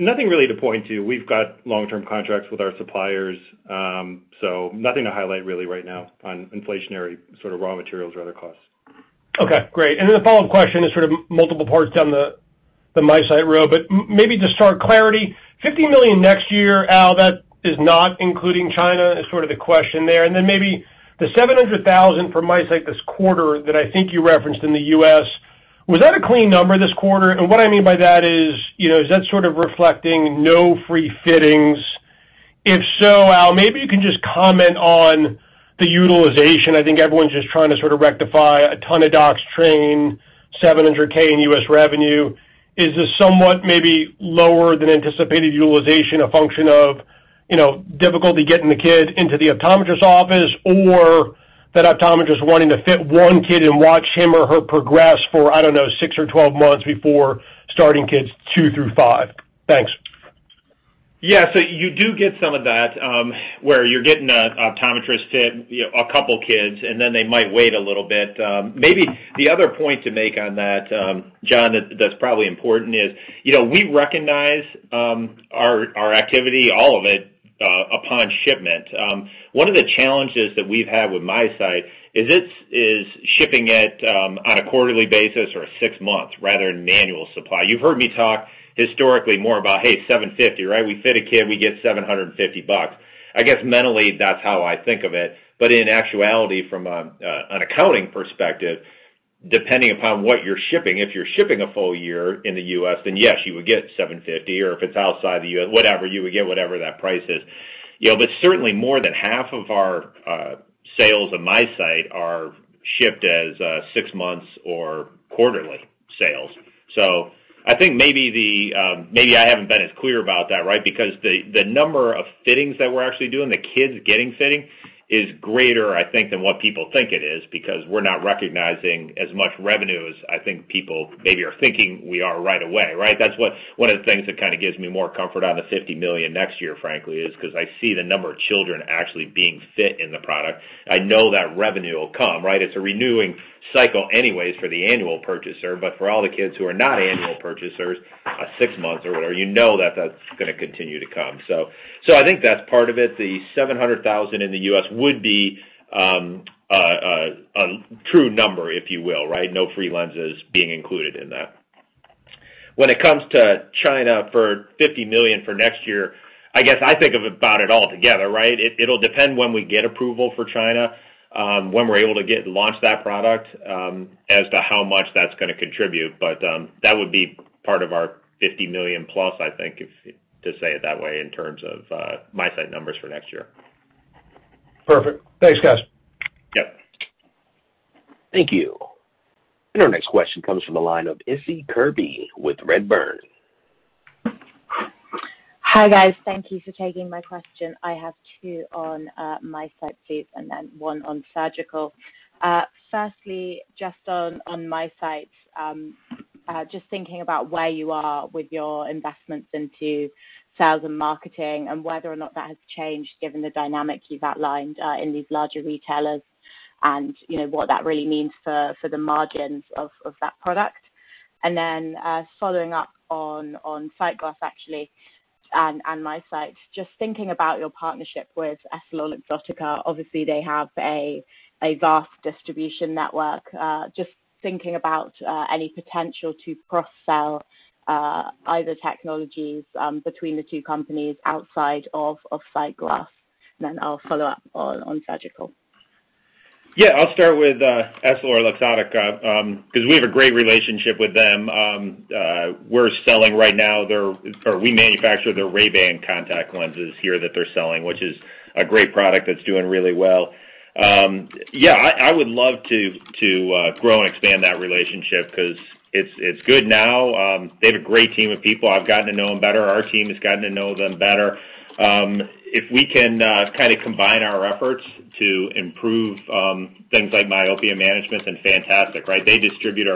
Nothing really to point to. We've got long-term contracts with our suppliers. Nothing to highlight really right now on inflationary sort of raw materials or other costs. Okay, great. The follow-up question is sort of multiple parts down the MiSight road, but maybe to start clariti, $50 million next year, Al, that is not including China is sort of the question there. Maybe the $700,000 for MiSight this quarter that I think you referenced in the U.S., was that a clean number this quarter? What I mean by that is that sort of reflecting no free fittings? If so, Al, maybe you can just comment on the utilization. I think everyone's just trying to sort of rectify a ton of docs trained, $700,000 in U.S. revenue. Is the somewhat maybe lower than anticipated utilization a function of difficulty getting the one kid into the optometrist office, or that optometrist wanting to fit one kid and watch him or her progress for, I don't know, six or 12 months before starting kids two through five? Thanks. Yeah. You do get some of that, where you're getting an optometrist fit a couple kids, and then they might wait a little bit. Maybe the other point to make on that, Jon, that's probably important is, we recognize our activity, all of it, upon shipment. One of the challenges that we've had with MiSight is shipping it on a quarterly basis or six months rather than annual supply. You've heard me talk historically more about, hey, $750, right? We fit a kid, we get $750. I guess mentally that's how I think of it. In actuality, from an accounting perspective, depending upon what you're shipping, if you're shipping a full year in the U.S., then yes, you would get $750. If it's outside the U.S., whatever, you would get whatever that price is. Certainly more than half of our sales of MiSight are shipped as six months or quarterly sales. I think maybe I haven't been as clear about that, right? The number of fittings that we're actually doing, the kids getting fitted, is greater, I think, than what people think it is because we're not recognizing as much revenue as I think people maybe are thinking we are right away, right? That's one of the things that kind of gives me more comfort on the $50 million next year, frankly, is because I see the number of children actually being fit in the product. I know that revenue will come, right? It's a renewing cycle anyways for the annual purchaser, but for all the kids who are not annual purchasers, a six month or you know that's going to continue to come. I think that's part of it. The $700,000 in the U.S. would be a true number, if you will, right? No free lenses being included in that. When it comes to China for $50 million for next year, I guess I think of it about it all together, right? It'll depend when we get approval for China, when we're able to launch that product, as to how much that's going to contribute. That would be part of our $50+ million, I think, to say it that way, in terms of MiSight numbers for next year. Perfect. Thanks, guys. Yep. Thank you. Our next question comes from the line of Issie Kirby with Redburn. Hi, guys. Thank you for taking my question. I have two on MiSight, and one on surgical. Firstly, just on MiSight, just thinking about where you are with your investments into sales and marketing and whether or not that has changed given the dynamics you've outlined in these larger retailers and what that really means for the margins of that product. Following up on SightGlass, actually, and MiSight, just thinking about your partnership with EssilorLuxottica, obviously they have a vast distribution network. Just thinking about any potential to cross-sell either technologies between the two companies outside of SightGlass. I'll follow up on surgical. Yeah. I'll start with EssilorLuxottica, because we have a great relationship with them. We manufacture their Ray-Ban contact lenses here that they're selling, which is a great product that's doing really well. Yeah, I would love to grow and expand that relationship because it's good now. They have a great team of people. I've gotten to know them better. Our team has gotten to know them better. If we can kind of combine our efforts to improve things like myopia management, then fantastic, right? They distribute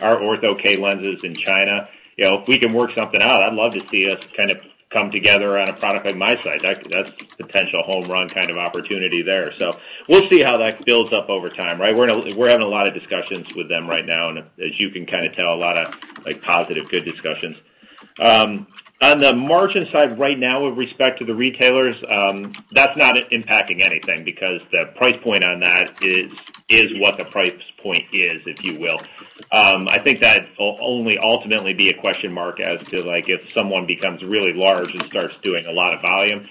our Ortho-K lenses in China. If we can work something out, I'd love to see us kind of come together on a product like MiSight. That's potential home run kind of opportunity there. We'll see how that builds up over time, right? We're having a lot of discussions with them right now, and as you can kind of tell, a lot of positive, good discussions. On the margin side right now with respect to the retailers, that's not impacting anything because the price point on that is what the price point is, if you will. I think that only ultimately be a question mark as to if someone becomes really large and starts doing a lot of volume.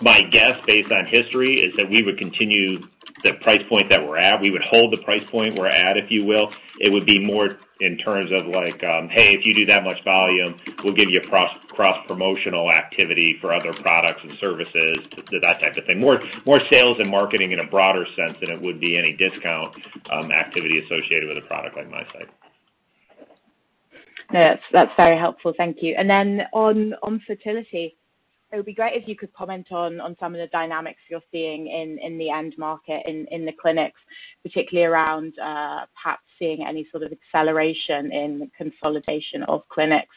My guess based on history is that we would continue the price point that we're at. We would hold the price point we're at, if you will. It would be more in terms of like, "Hey, if you do that much volume, we'll give you cross-promotional activity for other products and services," that type of thing. More sales and marketing in a broader sense than it would be any discount activity associated with a product like MiSight. Yeah. That's very helpful. Thank you. On fertility, it would be great if you could comment on some of the dynamics you're seeing in the end market in the clinics, particularly around perhaps seeing any sort of acceleration in the consolidation of clinics,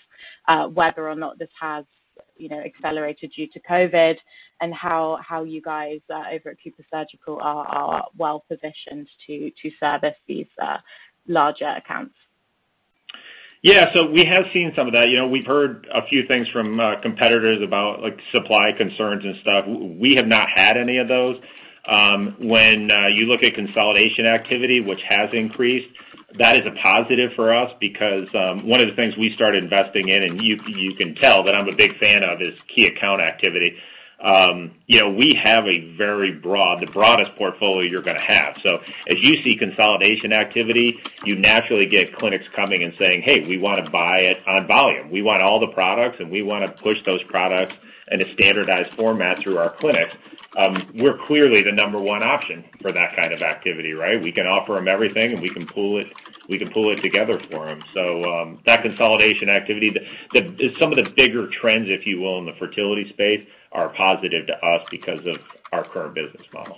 whether or not this has accelerated due to COVID and how you guys over at CooperSurgical are well-positioned to service these larger accounts. We have seen some of that. We've heard a few things from competitors about supply concerns and stuff. We have not had any of those. When you look at consolidation activity, which has increased, that is a positive for us because one of the things we started investing in, and you can tell that I'm a big fan of, is key account activity. We have the broadest portfolio you're going to have. As you see consolidation activity, you naturally get clinics coming and saying, "Hey, we want to buy it on volume. We want all the products, and we want to push those products in a standardized format through our clinics." We're clearly the number one option for that kind of activity, right? We can offer them everything, and we can pull it together for them. That consolidation activity, some of the bigger trends, if you will, in the fertility space, are positive to us because of our current business model.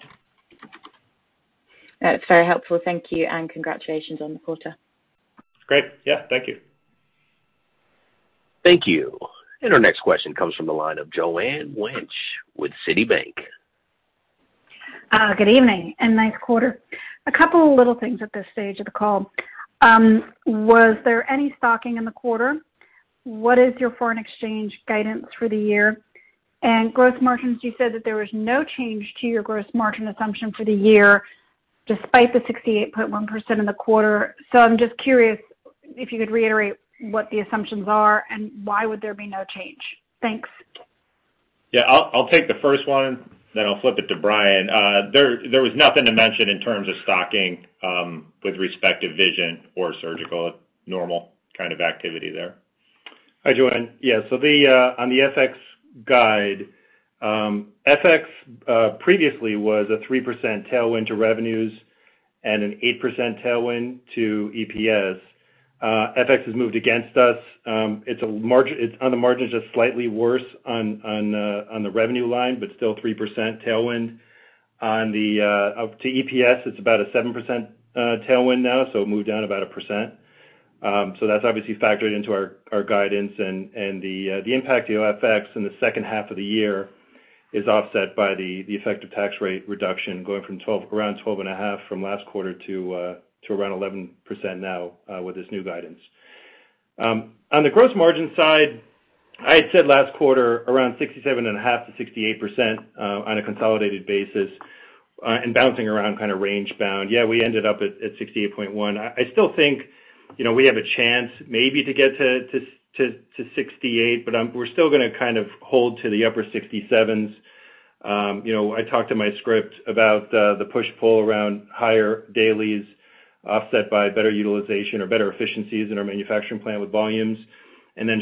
That's very helpful. Thank you. Congratulations on the quarter. Great. Yeah, thank you. Thank you. Our next question comes from the line of Joanne Wuensch with Citigroup. Good evening, nice quarter. A couple of little things at this stage of the call. Was there any stocking in the quarter? What is your foreign exchange guidance for the year? Gross margins, you said that there was no change to your gross margin assumption for the year despite the 68.1% in the quarter. I'm just curious if you could reiterate what the assumptions are and why would there be no change. Thanks. Yeah. I'll take the first one, then I'll flip it to Brian. There was nothing to mention in terms of stocking with respect to vision or surgical. Normal kind of activity there. Hi, Joanne. On the FX guide, FX previously was a 3% tailwind to revenues and an 8% tailwind to EPS. FX has moved against us. On the margins, it's slightly worse on the revenue line, but still 3% tailwind. To EPS, it's about a 7% tailwind now, so it moved down about a percent. That's obviously factored into our guidance and the impact to FX in the second half of the year is offset by the effective tax rate reduction going from around 12.5% from last quarter to around 11% now with this new guidance. On the gross margin side, I had said last quarter around 67.5% to 68% on a consolidated basis, and bouncing around kind of range bound. We ended up at 68.1%. I still think we have a chance maybe to get to 68%, but we're still going to kind of hold to the upper 67s. I talked in my script about the push-pull around higher dailies offset by better utilization or better efficiencies in our manufacturing plant with volumes,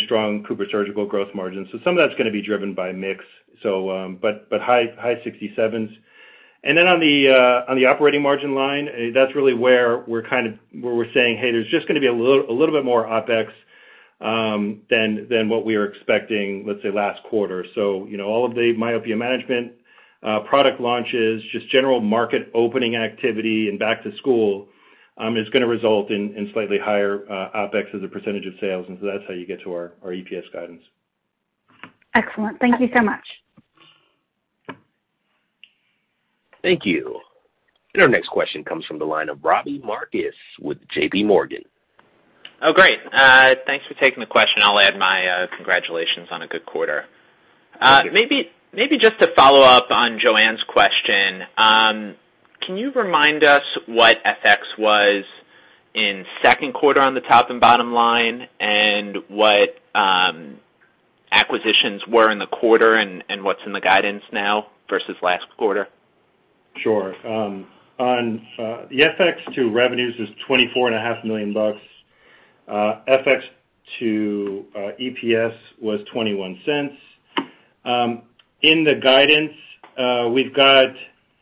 strong CooperSurgical growth margins. Some of that's going to be driven by mix, but high 67s. On the operating margin line, that's really where we're saying, "Hey, there's just going to be a little bit more OpEx than what we were expecting, let's say, last quarter." All of the myopia management product launches, just general market opening activity, and back to school, is going to result in slightly higher OpEx as a percentage of sales. That's how you get to our EPS guidance. Excellent. Thank you so much. Thank you. Our next question comes from the line of Robbie Marcus with JPMorgan. Oh, great. Thanks for taking the question. I'll add my congratulations on a good quarter. Thank you. Maybe just to follow up on Joanne's question, can you remind us what FX was in second quarter on the top and bottom line? What acquisitions were in the quarter, and what's in the guidance now versus last quarter? Sure. On the FX to revenues is $24.5 million. FX to EPS was $0.21. In the guidance, we've got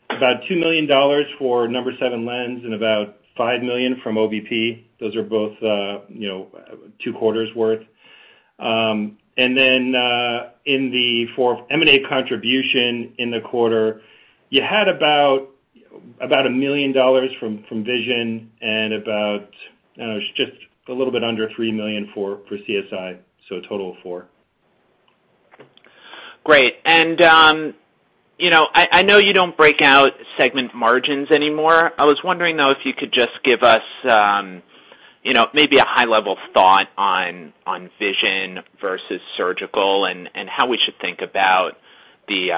about $2 million for No.7 lens and about $5 million from OBP Medical. Those are both two quarters' worth. For M&A contribution in the quarter, you had about $1 million from vision and about just a little bit under $3 million for CSI. A total of $4 million. Great. I know you don't break out segment margins anymore. I was wondering, though, if you could just give us maybe a high-level thought on vision versus surgical and how we should think about the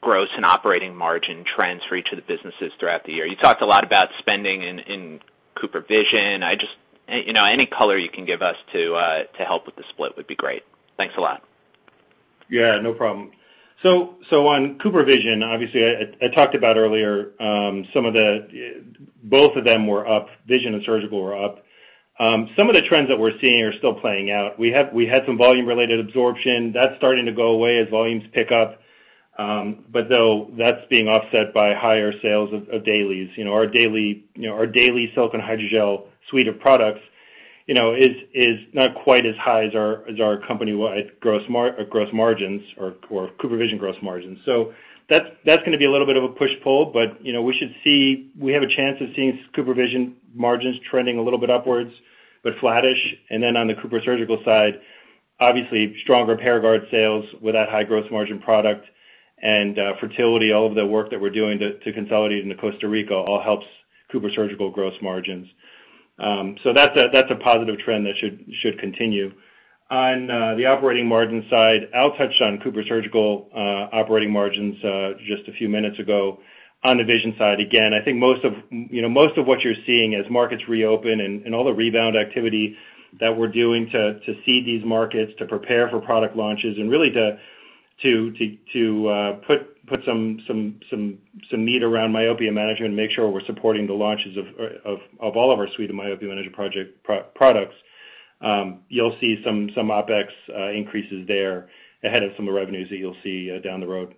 gross and operating margin trends for each of the businesses throughout the year. You talked a lot about spending in CooperVision. Any color you can give us to help with the split would be great. Thanks a lot. Yeah, no problem. On CooperVision, obviously, I talked about earlier both of them were up, vision and surgical were up. Some of the trends that we're seeing are still playing out. We had some volume-related absorption. That's starting to go away as volumes pick up. Though that's being offset by higher sales of dailies. Our daily silicone hydrogel suite of products is not quite as high as our company-wide gross margins or CooperVision gross margins. That's going to be a little bit of a push-pull, but we have a chance of seeing CooperVision margins trending a little bit upwards but flattish. On the CooperSurgical side, obviously stronger Paragard sales with that high gross margin product. Fertility, all of the work that we're doing to consolidate into Costa Rica all helps CooperSurgical gross margins. That's a positive trend that should continue. On the operating margin side, Al touched on CooperSurgical operating margins just a few minutes ago. On the vision side, again, I think most of what you're seeing as markets reopen and all the rebound activity that we're doing to seed these markets, to prepare for product launches, and really to put some meat around myopia management, make sure we're supporting the launches of all of our suite of myopia management products. You'll see some OpEx increases there ahead of some of the revenues that you'll see down the road.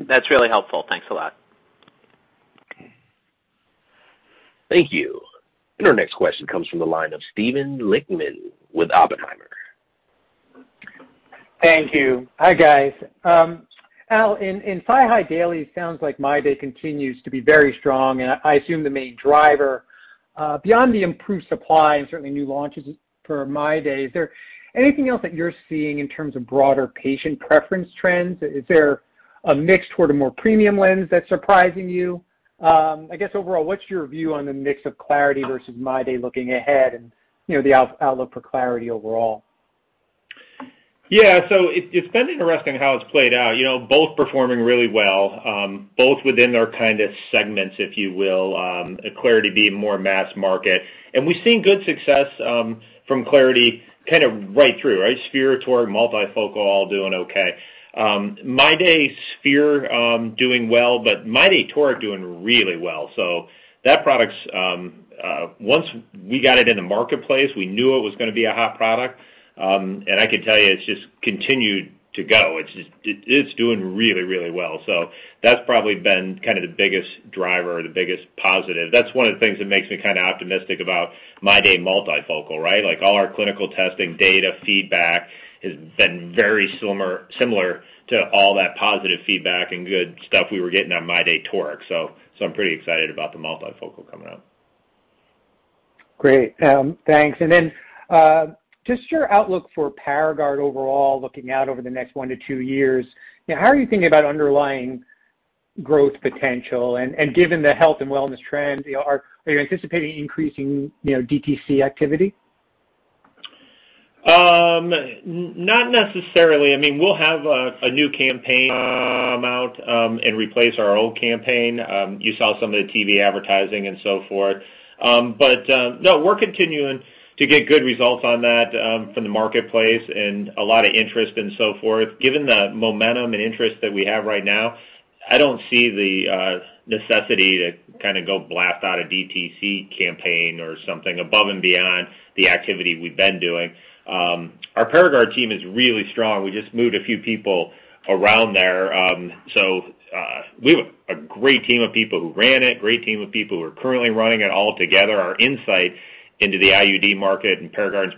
That's really helpful. Thanks a lot. Thank you. Our next question comes from the line of Steven Lichtman with Oppenheimer. Thank you. Hi, guys. Al, in SiHy daily, sounds like MyDay continues to be very strong, and I assume the main driver. Beyond the improved supply and certainly new launches for MyDay, is there anything else that you're seeing in terms of broader patient preference trends? Is there a mix toward a more premium lens that's surprising you? I guess overall, what's your view on the mix of clariti versus MyDay looking ahead and the outlook for clariti overall? Yeah. It's been interesting how it's played out. Both performing really well, both within their kind of segments, if you will, clariti being more mass market. We've seen good success from clariti kind of right through, right? Sphere, toric, multifocal all doing okay. MyDay sphere, doing well, but MyDay toric doing really well. That product, once we got it in the marketplace, we knew it was going to be a hot product. I can tell you, it's just continued to go. It's doing really well. That's probably been kind of the biggest driver or the biggest positive. That's one of the things that makes me kind of optimistic about MyDay Multifocal, right? Like all our clinical testing data feedback has been very similar to all that positive feedback and good stuff we were getting on MyDay toric. I'm pretty excited about the multifocal coming up. Great. Thanks. Then, just your outlook for Paragard overall, looking out over the next one to two years. How are you thinking about underlying growth potential? Given the health and wellness trends, are you anticipating increasing DTC activity? Not necessarily. We'll have a new campaign amount and replace our old campaign. You saw some of the TV advertising and so forth. No, we're continuing to get good results on that from the marketplace and a lot of interest and so forth. Given the momentum and interest that we have right now, I don't see the necessity to kind of go blast out a DTC campaign or something above and beyond the activity we've been doing. Our Paragard team is really strong. We just moved a few people around there. We have a great team of people who ran it, great team of people who are currently running it all together. Our insight into the IUD market and Paragard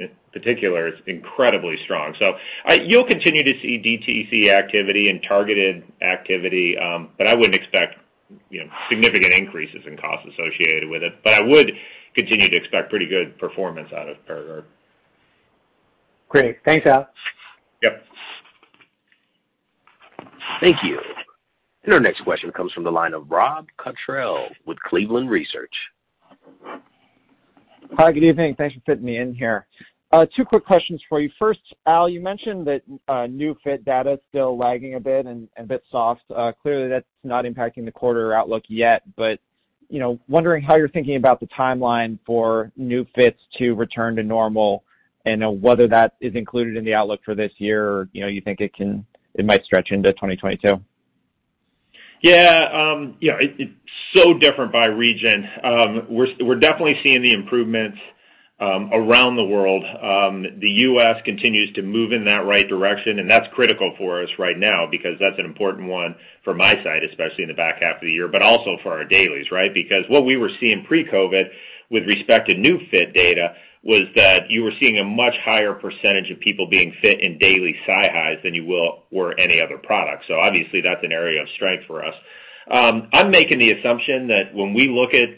in particular, is incredibly strong. You'll continue to see DTC activity and targeted activity, but I wouldn't expect significant increases in costs associated with it. I would continue to expect pretty good performance out of Paragard. Great. Thanks, Al. Yep. Thank you. Our next question comes from the line of Robert Cottrell with Cleveland Research. Hi, good evening. Thanks for fitting me in here. Two quick questions for you. First, Al, you mentioned that new fit data is still lagging a bit and a bit soft. Clearly, that's not impacting the quarter outlook yet, but wondering how you're thinking about the timeline for new fits to return to normal, and whether that is included in the outlook for this year, or you think it might stretch into 2022? It's so different by region. We're definitely seeing the improvements around the world. The U.S. continues to move in that right direction, and that's critical for us right now because that's an important one for MiSight, especially in the back half of the year, but also for our dailies, right? Because what we were seeing pre-COVID with respect to new fit data was that you were seeing a much higher percentage of people being fit in daily SiHys than you were any other product. Obviously that's an area of strength for us. I'm making the assumption that when we look at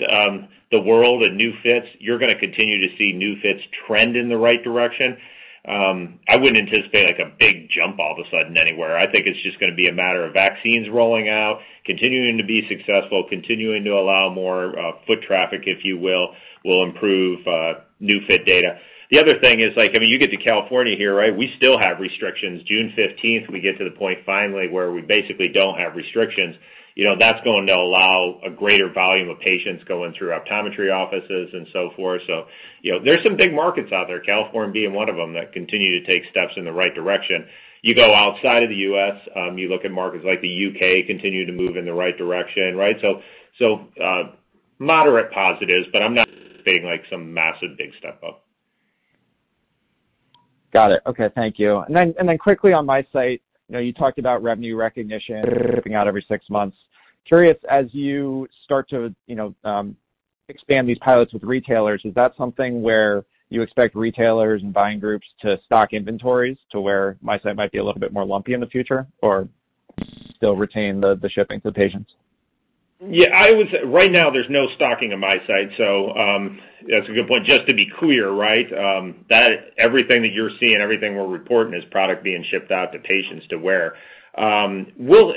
the world and new fits, you're going to continue to see new fits trend in the right direction. I wouldn't anticipate, like, a big jump all of a sudden anywhere. I think it's just going to be a matter of vaccines rolling out, continuing to be successful, continuing to allow more foot traffic, if you will improve new fit data. The other thing is, like, I mean, you get to California here, right? We still have restrictions. June 15th, we get to the point finally where we basically don't have restrictions. That's going to allow a greater volume of patients going through optometry offices and so forth. There's some big markets out there, California being one of them, that continue to take steps in the right direction. You go outside of the U.S., you look at markets like the U.K. continue to move in the right direction, right? Moderate positives, but I'm not saying like some massive big step up. Got it. Okay. Thank you. Quickly on MiSight. You talked about revenue recognition shipping out every six months. Curious, as you start to expand these pilots with retailers, is that something where you expect retailers and buying groups to stock inventories to where MiSight might be a little bit more lumpy in the future, or still retain the shipping to patients? Yeah, I would say right now there's no stocking in MiSight. That's a good point. Just to be clear, right? That everything that you're seeing, everything we're reporting is product being shipped out to patients to wear. We'll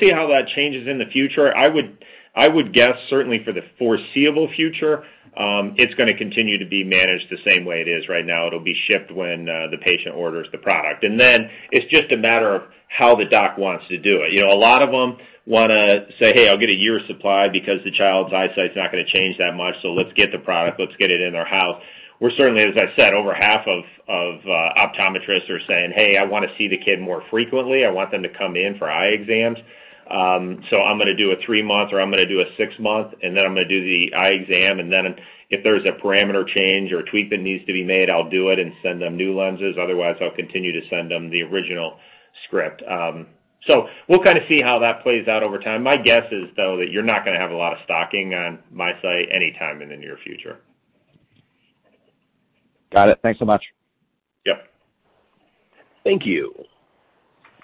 see how that changes in the future. I would guess certainly for the foreseeable future, it's going to continue to be managed the same way it is right now. It'll be shipped when the patient orders the product. It's just a matter of how the doc wants to do it. A lot of them want to say, "Hey, I'll get a year's supply because the child's eyesight's not going to change that much, so let's get the product. Let's get it in their house." Where certainly, as I said, over half of optometrists are saying, "Hey, I want to see the kid more frequently. I want them to come in for eye exams. I'm going to do a three month or I'm going to do a six month, and then I'm going to do the eye exam, and then if there's a parameter change or tweak that needs to be made, I'll do it and send them new lenses. Otherwise, I'll continue to send them the original script." We'll kind of see how that plays out over time. My guess is, though, that you're not going to have a lot of stocking on MiSight anytime in the near future. Got it. Thanks so much. Yep. Thank you.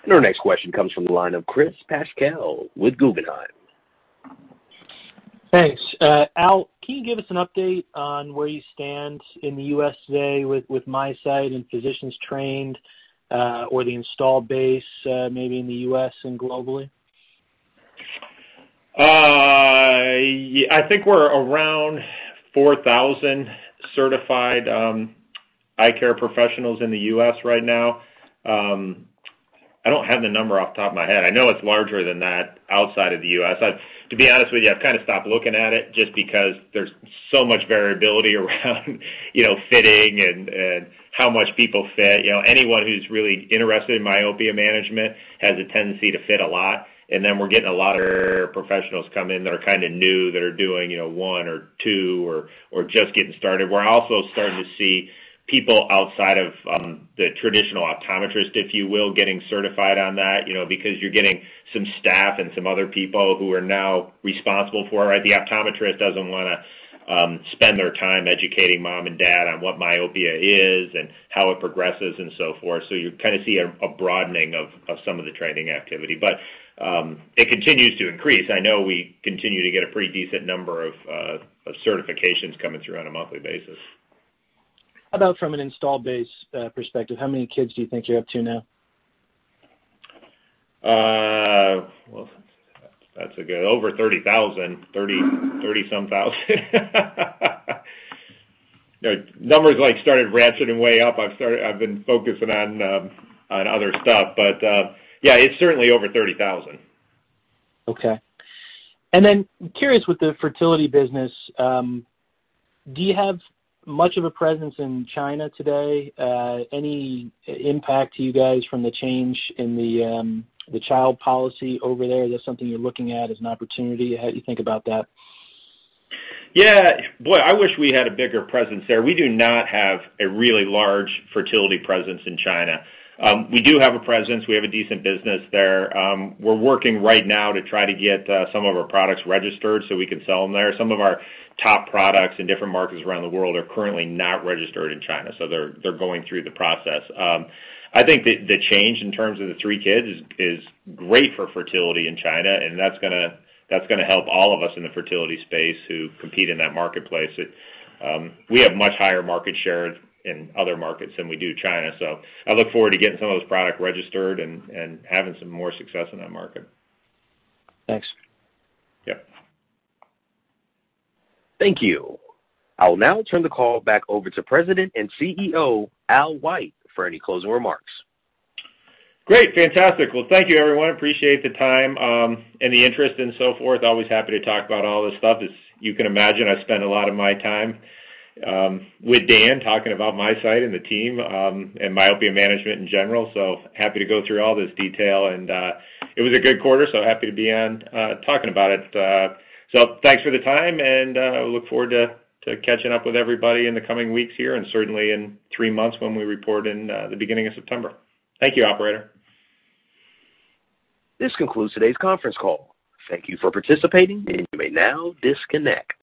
Your next question comes from the line of Chris Pasquale with Guggenheim. Thanks. Al, can you give us an update on where you stand in the U.S. today with MiSight and physicians trained, or the install base maybe in the U.S. and globally? I think we're around 4,000 certified eye care professionals in the U.S. right now. I don't have the number off the top of my head. I know it's larger than that outside of the U.S. To be honest with you, I've kind of stopped looking at it just because there's so much variability around fitting and how much people fit. Anyone who's really interested in myopia management has a tendency to fit a lot, and then we're getting a lot of professionals coming in that are kind of new. They're doing one or two or just getting started. We're also starting to see people outside of the traditional optometrist, if you will, getting certified on that because you're getting some staff and some other people who are now responsible for it. The optometrist doesn't want to spend their time educating mom and dad on what myopia is and how it progresses, and so forth. You kind of see a broadening of some of the training activity. It continues to increase. I know we continue to get a pretty decent number of certifications coming through on a monthly basis. How about from an install base perspective? How many kids do you think you're up to now? Over 30,000. 30-some thousand. The numbers started ratcheting way up. I've been focusing on other stuff, but yeah, it's certainly over 30,000. Okay. Curious with the fertility business, do you have much of a presence in China today? Any impact to you guys from the change in the child policy over there? That something you're looking at as an opportunity? How do you think about that? Yeah. Boy, I wish we had a bigger presence there. We do not have a really large fertility presence in China. We do have a presence. We have a decent business there. We're working right now to try to get some of our products registered so we can sell them there. Some of our top products in different markets around the world are currently not registered in China, so they're going through the process. I think the change in terms of the three kids is great for fertility in China, and that's going to help all of us in the fertility space who compete in that marketplace. We have much higher market share in other markets than we do China. I look forward to getting some of those products registered and having some more success in that market. Thanks. Yep. Thank you. I'll now turn the call back over to President and CEO, Al White, for any closing remarks. Great. Fantastic. Well, thank you everyone. Appreciate the time and the interest and so forth. Always happy to talk about all this stuff. As you can imagine, I've spent a lot of my time with Dan talking about MiSight and the team, and myopia management in general. Happy to go through all this detail and it was a good quarter, so happy to be on talking about it. Thanks for the time and I look forward to catching up with everybody in the coming weeks here and certainly in three months when we report in the beginning of September. Thank you, operator. This concludes today's conference call. Thank you for participating and you may now disconnect.